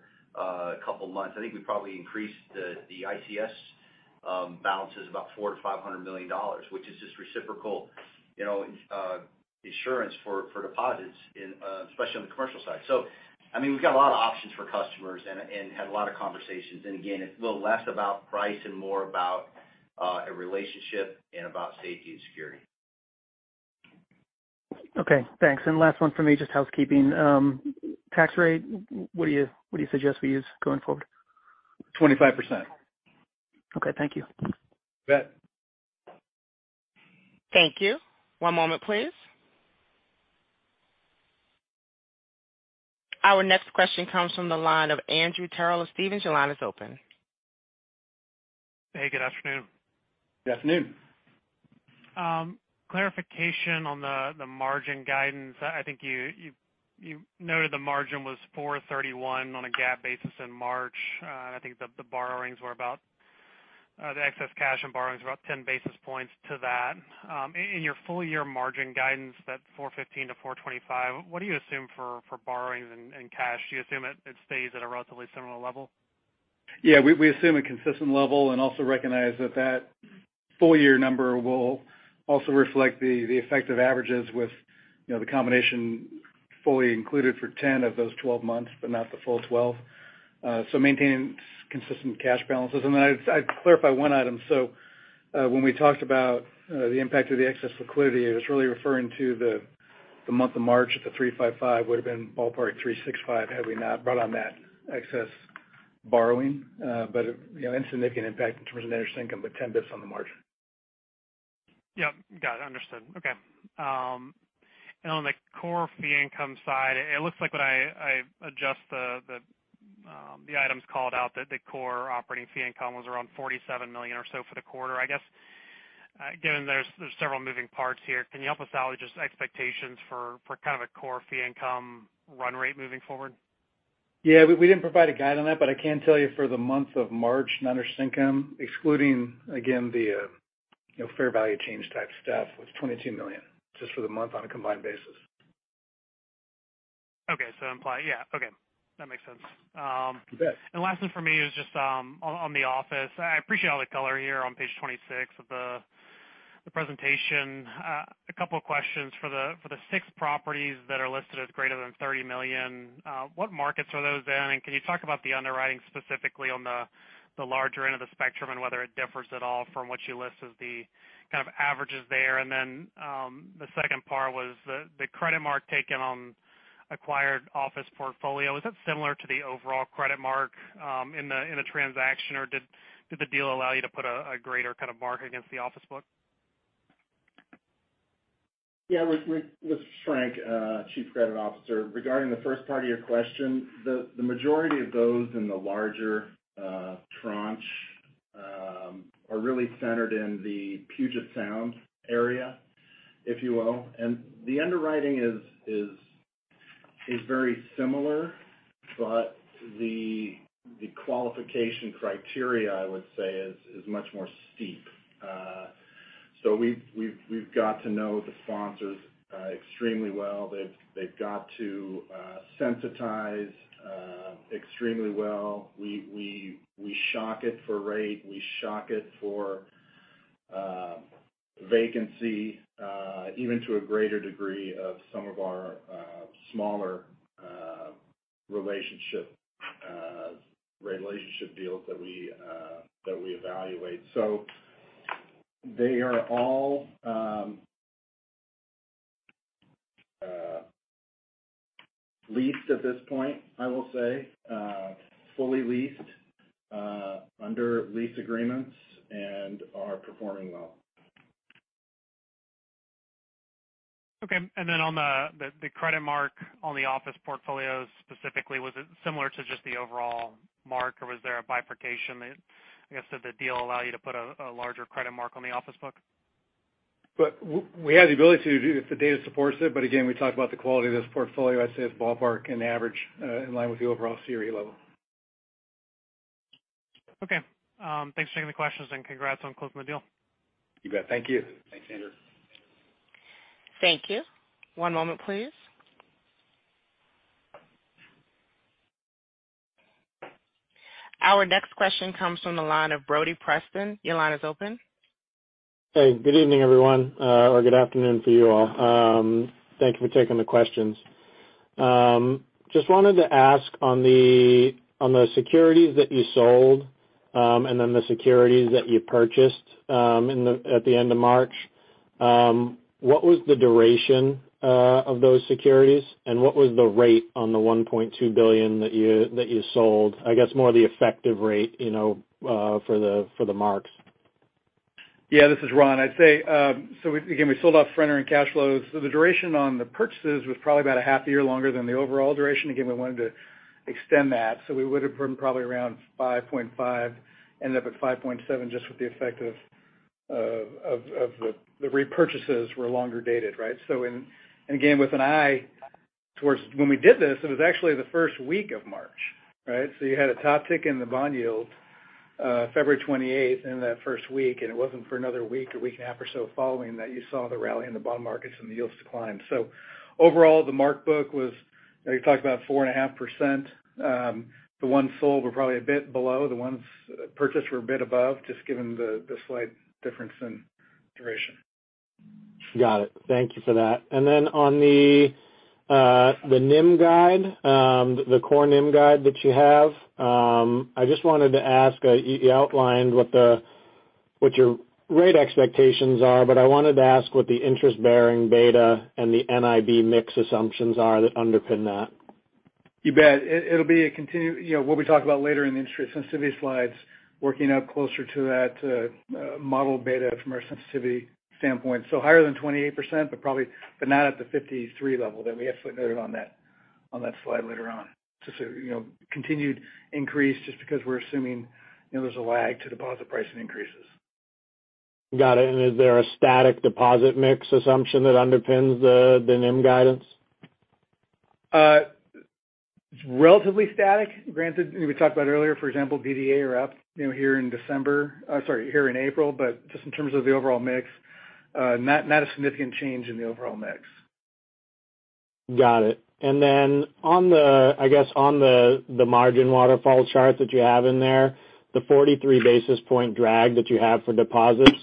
months. I think we probably increased the ICS balances about $400 million-$500 million, which is just reciprocal, you know, insurance for deposits in especially on the commercial side. I mean we've got a lot of options for customers and had a lot of conversations. Again, it's a little less about price and more about a relationship and about safety and security. Okay, thanks. Last one from me, just housekeeping. Tax rate, what do you suggest we use going forward? 25%. Okay. Thank you. You bet. Thank you. One moment, please. Our next question comes from the line of Andrew Terrell of Stephens. Your line is open. Hey, good afternoon. Good afternoon. Clarification on the margin guidance. I think you noted the margin was 4.31% on a GAAP basis in March. I think the borrowings were about the excess cash and borrowings were about 10 basis points to that. In your full year margin guidance, that 4.15%-4.25%, what do you assume for borrowings and cash? Do you assume it stays at a relatively similar level? Yeah, we assume a consistent level and also recognize that full year number will also reflect the effect of averages with, you know, the combination fully included for 10 of those 12 months, but not the full 12. Maintaining consistent cash balances. Then I'd clarify 1 item. When we talked about the impact of the excess liquidity, it was really referring to the month of March at the 355 would've been ballpark 365 had we not brought on that excess borrowing. You know, a significant impact in terms of net interest income, but 10 basis points on the margin. Yep. Got it, understood. Okay. And on the core fee income side, it looks like when I adjust the items called out that the core operating fee income was around $47 million or so for the quarter. I guess given there's several moving parts here, can you help us out with just expectations for kind of a core fee income run rate moving forward? Yeah. We didn't provide a guide on that but I can tell you for the month of March, net interest income, excluding again the, you know, fair value change type stuff, was $22 million just for the month on a combined basis. Okay. Imply, yeah. Okay. That makes sense. You bet. Last one for me is just on the office. I appreciate all the color here on page 26 of the presentation. A couple of questions. For the six properties that are listed as greater than $30 million, what markets are those in? Can you talk about the underwriting specifically on the larger end of the spectrum, and whether it differs at all from what you list as the kind of averages there? The second part was the credit mark taken on acquired office portfolio. Is that similar to the overall credit mark in the transaction, or did the deal allow you to put a greater kind of mark against the office book? Yeah. This is Frank, Chief Credit Officer. Regarding the first part of your question, the majority of those in the larger tranche are really centered in the Puget Sound area, if you will. The underwriting is very similar, but the qualification criteria, I would say, is much more steep. We've got to know the sponsors extremely well. They've got to sensitize extremely well. We shock it for rate, we shock it for vacancy, even to a greater degree of some of our smaller relationship deals that we evaluate. They are all leased at this point, I will say. Fully leased under lease agreements and are performing well. Okay. On the credit mark on the office portfolio specifically, was it similar to just the overall mark, or was there a bifurcation that, I guess, did the deal allow you to put a larger credit mark on the office book? We have the ability to do if the data supports it, but again, we talked about the quality of this portfolio. I'd say it's ballpark in average, in line with the overall CRE level. Thanks for taking the questions and congrats on closing the deal. You bet. Thank you. Thanks, Andrew. Thank you. One moment please. Our next question comes from the line of Brody Preston. Your line is open. Hey, good evening everyone, or good afternoon for you all. Thank you for taking the questions. Just wanted to ask on the, on the securities that you sold, and then the securities that you purchased, in the, at the end of March, what was the duration of those securities, and what was the rate on the $1.2 billion that you sold? I guess more the effective rate, you know, for the marks. Yeah. This is Ron. I'd say, again, we sold off front-end and cash flows. The duration on the purchases was probably about a half year longer than the overall duration. Again, we wanted to extend that. We would've been probably around 5.5, ended up at 5.7 just with the effect of the repurchases were longer dated, right? Again, with an eye towards when we did this, it was actually the first week of March, right? You had a top tick in the bond yield, February 28th in that first week, and it wasn't for another week, or week and a half or so following that you saw the rally in the bond markets and the yields decline. Overall, the mark book was, you know, you talk about 4.5%. The ones sold were probably a bit below. The ones purchased were a bit above, just given the slight difference in duration. Got it. Thank you for that. Then on the NIM guide, the core NIM guide that you have, I just wanted to ask, you outlined what your rate expectations are, but I wanted to ask what the interest-bearing beta and the NIB mix assumptions are that underpin that? You bet. you know, what we talk about later in the interest sensitivity slides, working up closer to that model beta from our sensitivity standpoint. Higher than 28%, but probably not at the 53 level that we had footnoted on that slide later on. Just, you know, continued increase just because we're assuming, you know, there's a lag to deposit pricing increases. Got it. Is there a static deposit mix assumption that underpins the NIM guidance? Relatively static. Granted, we talked about earlier, for example, DDA are up, you know, here in April. Just in terms of the overall mix, not a significant change in the overall mix. Got it. I guess on the margin waterfall chart that you have in there, the 43 basis point drag that you have for deposits,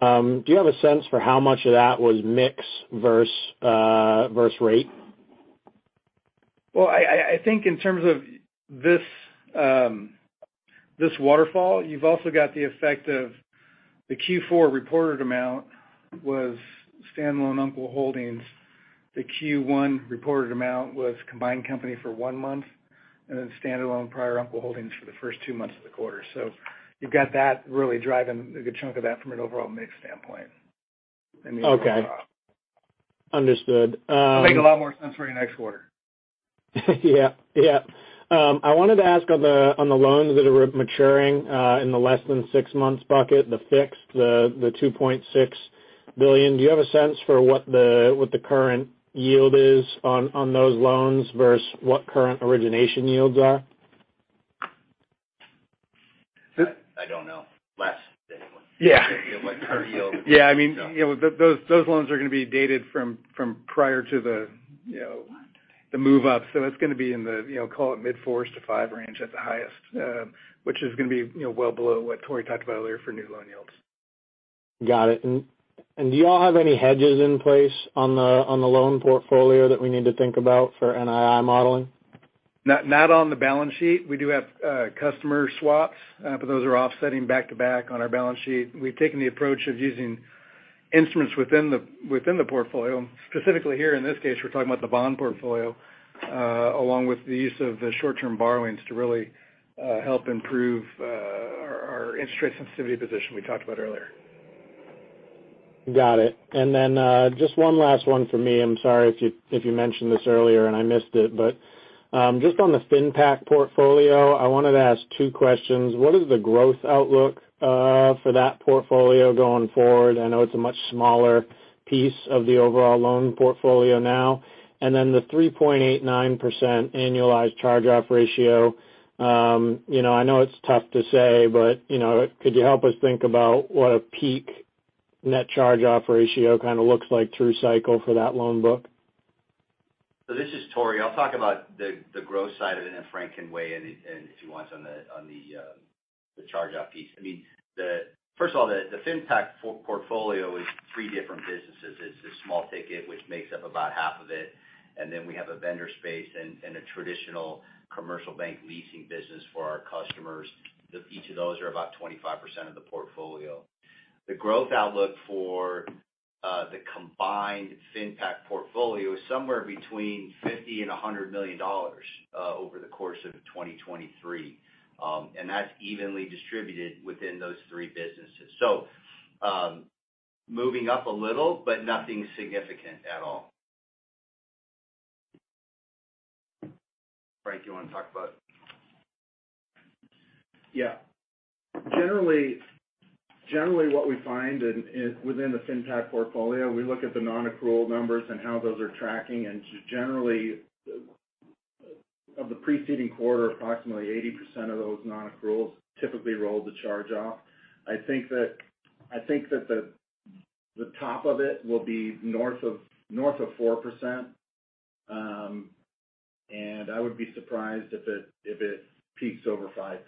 do you have a sense for how much of that was mix versus versus rate? Well, I think in terms of this waterfall, you've also got the effect of the Q4 reported amount was standalone Umpqua Holdings. The Q1 reported amount was combined company for 1 month and then standalone prior Umpqua Holdings for the first 2 months of the quarter. You've got that really driving a good chunk of that from an overall mix standpoint. I mean. Okay. Understood. It'll make a lot more sense for you next quarter. Yeah. Yeah. I wanted to ask on the loans that are maturing in the less than 6 months bucket, the fixed, the $2.6 billion, do you have a sense for what the current yield is on those loans versus what current origination yields are? I don't know. Less anyway. Yeah. You know, what current yield... Yeah, I mean, you know, those loans are gonna be dated from prior to the, you know, the move up. It's gonna be in the, you know, call it mid fours to five range at the highest, which is gonna be, you know, well below what Tory talked about earlier for new loan yields. Got it. Do y'all have any hedges in place on the loan portfolio that we need to think about for NII modeling? Not on the balance sheet. We do have customer swaps, but those are offsetting back to back on our balance sheet. We've taken the approach of using instruments within the portfolio. Specifically here in this case, we're talking about the bond portfolio, along with the use of the short-term borrowings to really help improve our interest rate sensitivity position we talked about earlier. Got it. Then, just one last one for me. I'm sorry if you, if you mentioned this earlier and I missed it. Just on the FinPac portfolio, I wanted to ask two questions. What is the growth outlook for that portfolio going forward? I know it's a much smaller piece of the overall loan portfolio now. Then the 3.89% annualized charge-off ratio. You know, I know it's tough to say, but, you know, could you help us think about what a peak net charge-off ratio kind of looks like through cycle for that loan book? This is Tory. I'll talk about the growth side of it, then Frank can weigh in if he wants on the charge-off piece. I mean, first of all, the FinPac portfolio is three different businesses. It's the small ticket, which makes up about half of it, and then we have a vendor space and a traditional commercial bank leasing business for our customers. Each of those are about 25% of the portfolio. The growth outlook for the combined FinPac portfolio is somewhere between $50 million and $100 million over the course of 2023. That's evenly distributed within those three businesses. Moving up a little, but nothing significant at all. Frank, you want to talk about it? Yeah. Generally what we find within the FinPac portfolio, we look at the non-accrual numbers and how those are tracking. Generally, of the preceding quarter, approximately 80% of those non-accruals typically roll the charge off. I think that the top of it will be north of 4%. I would be surprised if it peaks over 5%.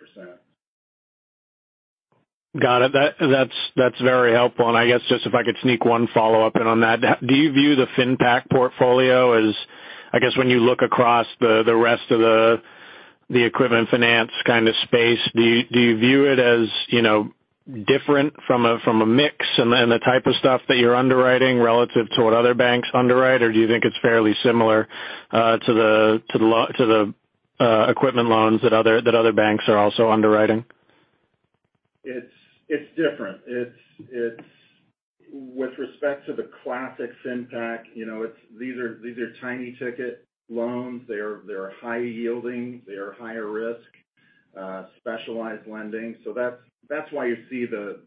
Got it. That's, that's very helpful. I guess just if I could sneak one follow-up in on that. Do you view the FinPac portfolio as I guess when you look across the rest of the equipment finance kind of space, do you view it as, you know, different from a, from a mix and the, and the type of stuff that you're underwriting relative to what other banks underwrite, or do you think it's fairly similar to the equipment loans that other banks are also underwriting? It's different. With respect to the classic FinPac, you know, these are tiny ticket loans. They're high yielding. They are higher risk, specialized lending. That's why you see the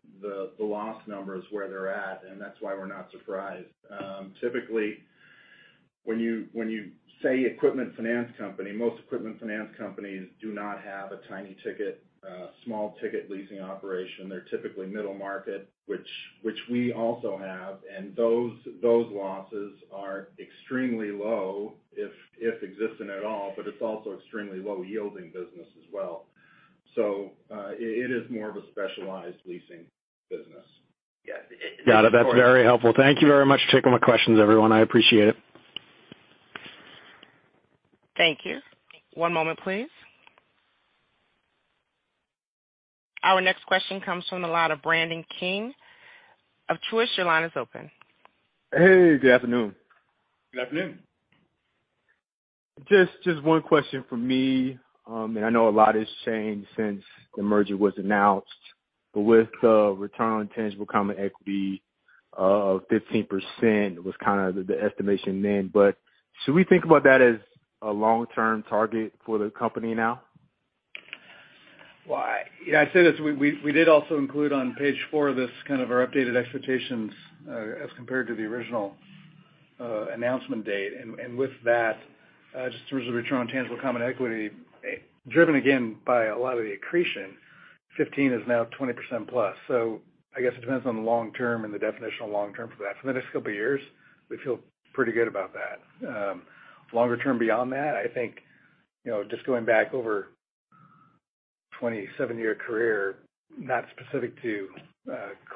loss numbers where they're at, and that's why we're not surprised. Typically, when you say equipment finance company, most equipment finance companies do not have a tiny ticket, small ticket leasing operation. They're typically middle market, which we also have. Those losses are extremely low, if existing at all, but it's also extremely low yielding business as well. It is more of a specialized leasing business. Yeah. Got it. That's very helpful. Thank you very much for taking my questions, everyone. I appreciate it. Thank you. One moment please. Our next question comes from the line of Brandon King of Truist. Your line is open. Hey, good afternoon. Good afternoon. Just one question from me. I know a lot has changed since the merger was announced. With the return on tangible common equity Of 15% was kind of the estimation then. Should we think about that as a long-term target for the company now? Well, I, you know, I say this, we did also include on page four of this kind of our updated expectations, as compared to the original announcement date. With that, just in terms of return on tangible common equity, driven again by a lot of the accretion, 15 is now 20%+. I guess it depends on the long term and the definition of long term for that. For the next couple of years, we feel pretty good about that. Longer term beyond that, I think, you know, just going back over a 27-year career, not specific to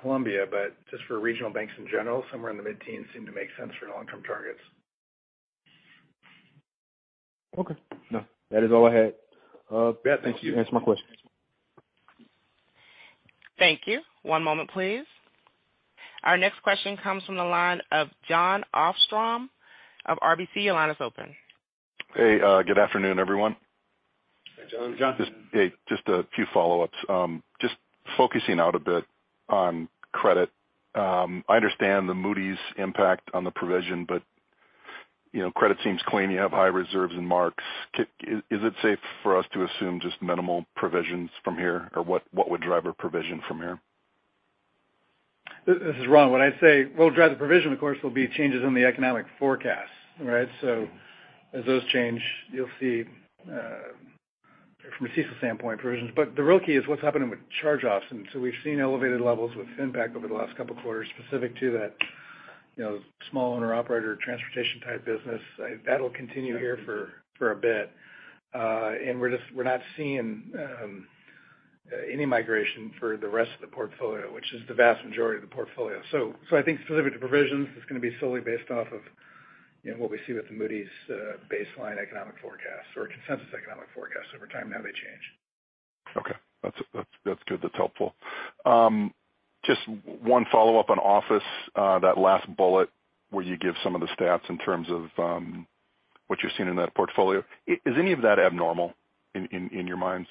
Columbia, but just for regional banks in general, somewhere in the mid-teens seem to make sense for long-term targets. Okay. No, that is all I had. Yeah. Thank you. That answered my questions. Thank you. One moment, please. Our next question comes from the line of Jon Arfstrom of RBC. Your line is open. Hey, good afternoon, everyone. Hey, Jon. John. Just - hey, just a few follow-ups. Just focusing out a bit on credit. I understand the Moody's impact on the provision, but you know, credit seems clean. You have high reserves and marks. Is it safe for us to assume just minimal provisions from here? What would drive a provision from here? This is Ron. What I'd say will drive the provision, of course, will be changes in the economic forecasts, right? As those change, you'll see from a CECL standpoint, provisions. The real key is what's happening with charge-offs. We've seen elevated levels with FinPac over the last couple of quarters specific to that, you know, small owner/operator transportation type business. That'll continue here for a bit. We're not seeing any migration for the rest of the portfolio, which is the vast majority of the portfolio. I think specific to provisions, it's going to be solely based off of, you know, what we see with the Moody's baseline economic forecast or consensus economic forecast over time and how they change. Okay. That's good. That's helpful. Just one follow-up on office, that last bullet where you give some of the stats in terms of, what you're seeing in that portfolio. Is any of that abnormal in your minds?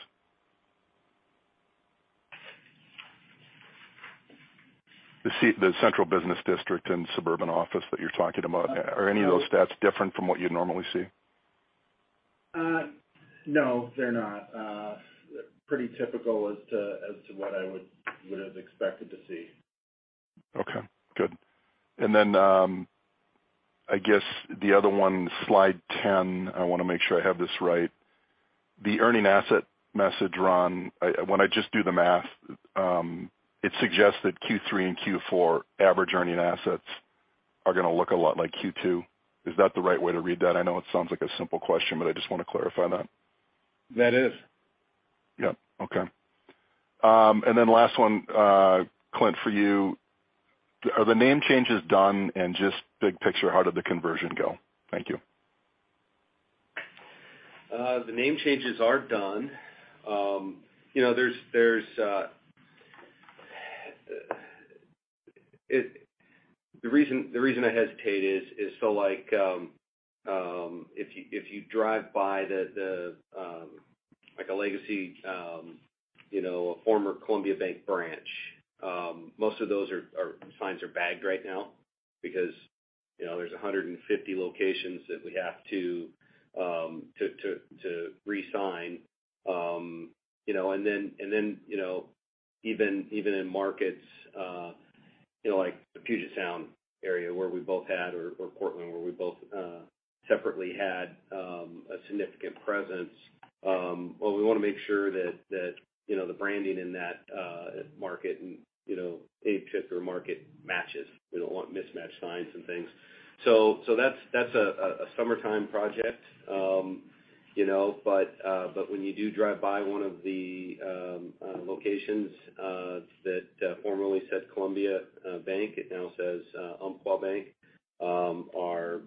The central business district and suburban office that you're talking about. Are any of those stats different from what you'd normally see? No, they're not. Pretty typical as to what I would have expected to see. Okay, good. I guess the other one, slide 10. I want to make sure I have this right. The earning asset message, Ron, when I just do the math, it suggests that Q3 and Q4 average earning assets are going to look a lot like Q2. Is that the right way to read that? I know it sounds like a simple question, I just want to clarify that. That is. Yeah. Okay. Last one, Clint, for you. Are the name changes done? Just big picture, how did the conversion go? Thank you. The name changes are done. You know, there's The reason I hesitate is so, like, if you drive by the like a legacy, you know, a former Columbia Bank branch, most of those signs are bagged right now because, you know, there's 150 locations that we have to re-sign. You know, even in markets, you know, like the Puget Sound area where we both had or Portland where we both separately had a significant presence, well, we want to make sure that, you know, the branding in that market and, you know, APIC or market matches. We don't want mismatched signs and things. That's a summertime project. you know, but when you do drive by one of the locations, that formerly said Columbia Bank, it now says Umpqua Bank. Our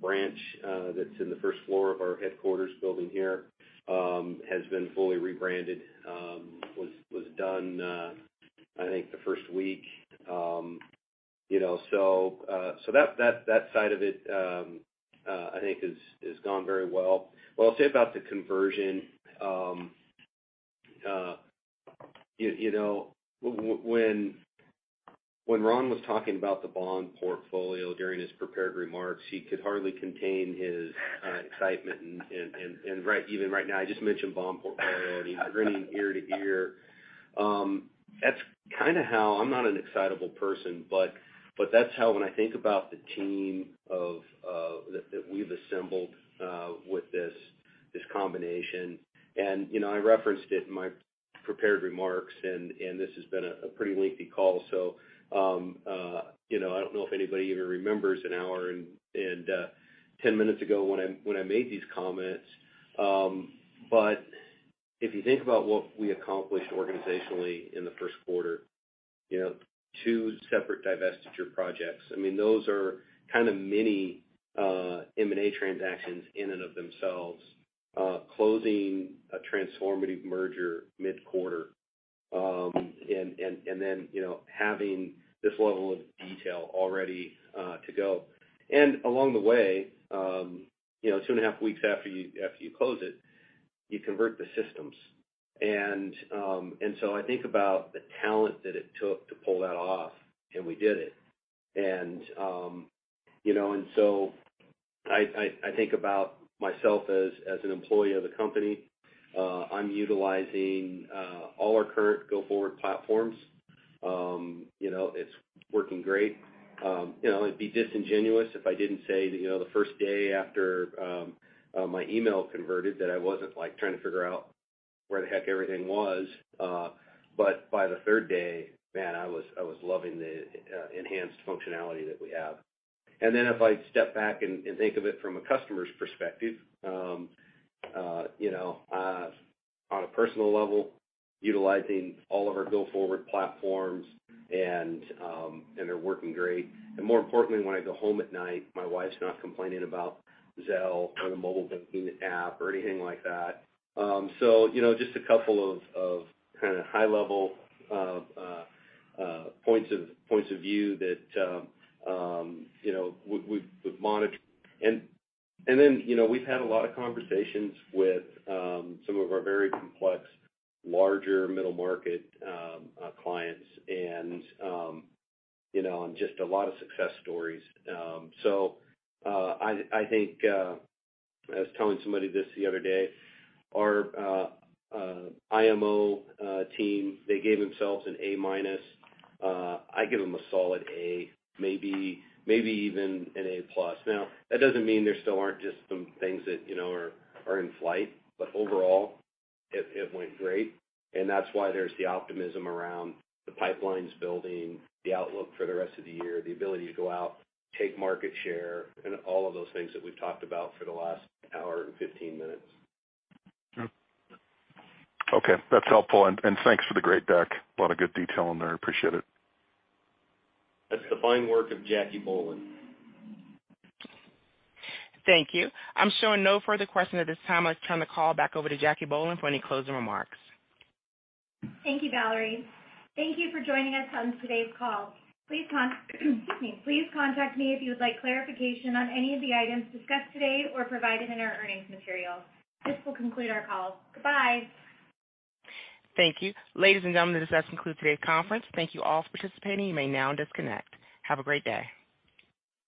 branch that's in the first floor of our headquarters building here, has been fully rebranded, was done, I think the first week. you know, so that side of it, I think is gone very well. What I'll say about the conversion, you know, when Ron was talking about the bond portfolio during his prepared remarks, he could hardly contain his excitement. Even right now, I just mentioned bond portfolio, and he's grinning ear to ear. That's kind of how I'm not an excitable person, but that's how when I think about the team of that we've assembled with this combination. You know, I referenced it in my prepared remarks, and this has been a pretty lengthy call, so, you know, I don't know if anybody even remembers 1 hour and 10 minutes ago when I, when I made these comments. If you think about what we accomplished organizationally in the first quarter, you know, two separate divestiture projects. I mean, those are kind of mini M&A transactions in and of themselves. Closing a transformative merger mid-quarter, and then, you know, having this level of detail all ready to go. Along the way, you know, 2.5 weeks after you close it, you convert the systems. I think about the talent that it took to pull that off, and we did it. I think about myself as an employee of the company. I'm utilizing all our current go-forward platforms. You know, it's working great. You know, it'd be disingenuous if I didn't say that, you know, the first day after my email converted that I wasn't, like, trying to figure out where the heck everything was. But by the third day, man, I was loving the enhanced functionality that we have. If I step back and think of it from a customer's perspective, you know, on a personal level, utilizing all of our go-forward platforms and they're working great. More importantly, when I go home at night, my wife's not complaining about Zelle or the mobile banking app or anything like that. You know, just a couple of kind of high level points of view that, you know, we've monitored. You know, we've had a lot of conversations with some of our very complex, larger middle market clients and you know, just a lot of success stories. I think I was telling somebody this the other day. Our IMO team, they gave themselves an A minus. I give them a solid A, maybe even an A plus. That doesn't mean there still aren't just some things that, you know, are in flight. Overall, it went great. That's why there's the optimism around the pipelines building, the outlook for the rest of the year, the ability to go out, take market share, and all of those things that we've talked about for the last hour and 15 minutes. Okay. That's helpful. Thanks for the great deck. A lot of good detail in there. Appreciate it. That's the fine work of Jackie Bohlen. Thank you. I'm showing no further questions at this time. Let's turn the call back over to Jackie Bohlen for any closing remarks. Thank you, Valerie. Thank you for joining us on today's call. Excuse me. Please contact me if you would like clarification on any of the items discussed today or provided in our earnings material. This will conclude our call. Goodbye. Thank you. Ladies and gentlemen, this does conclude today's conference. Thank you all for participating. You may now disconnect. Have a great day.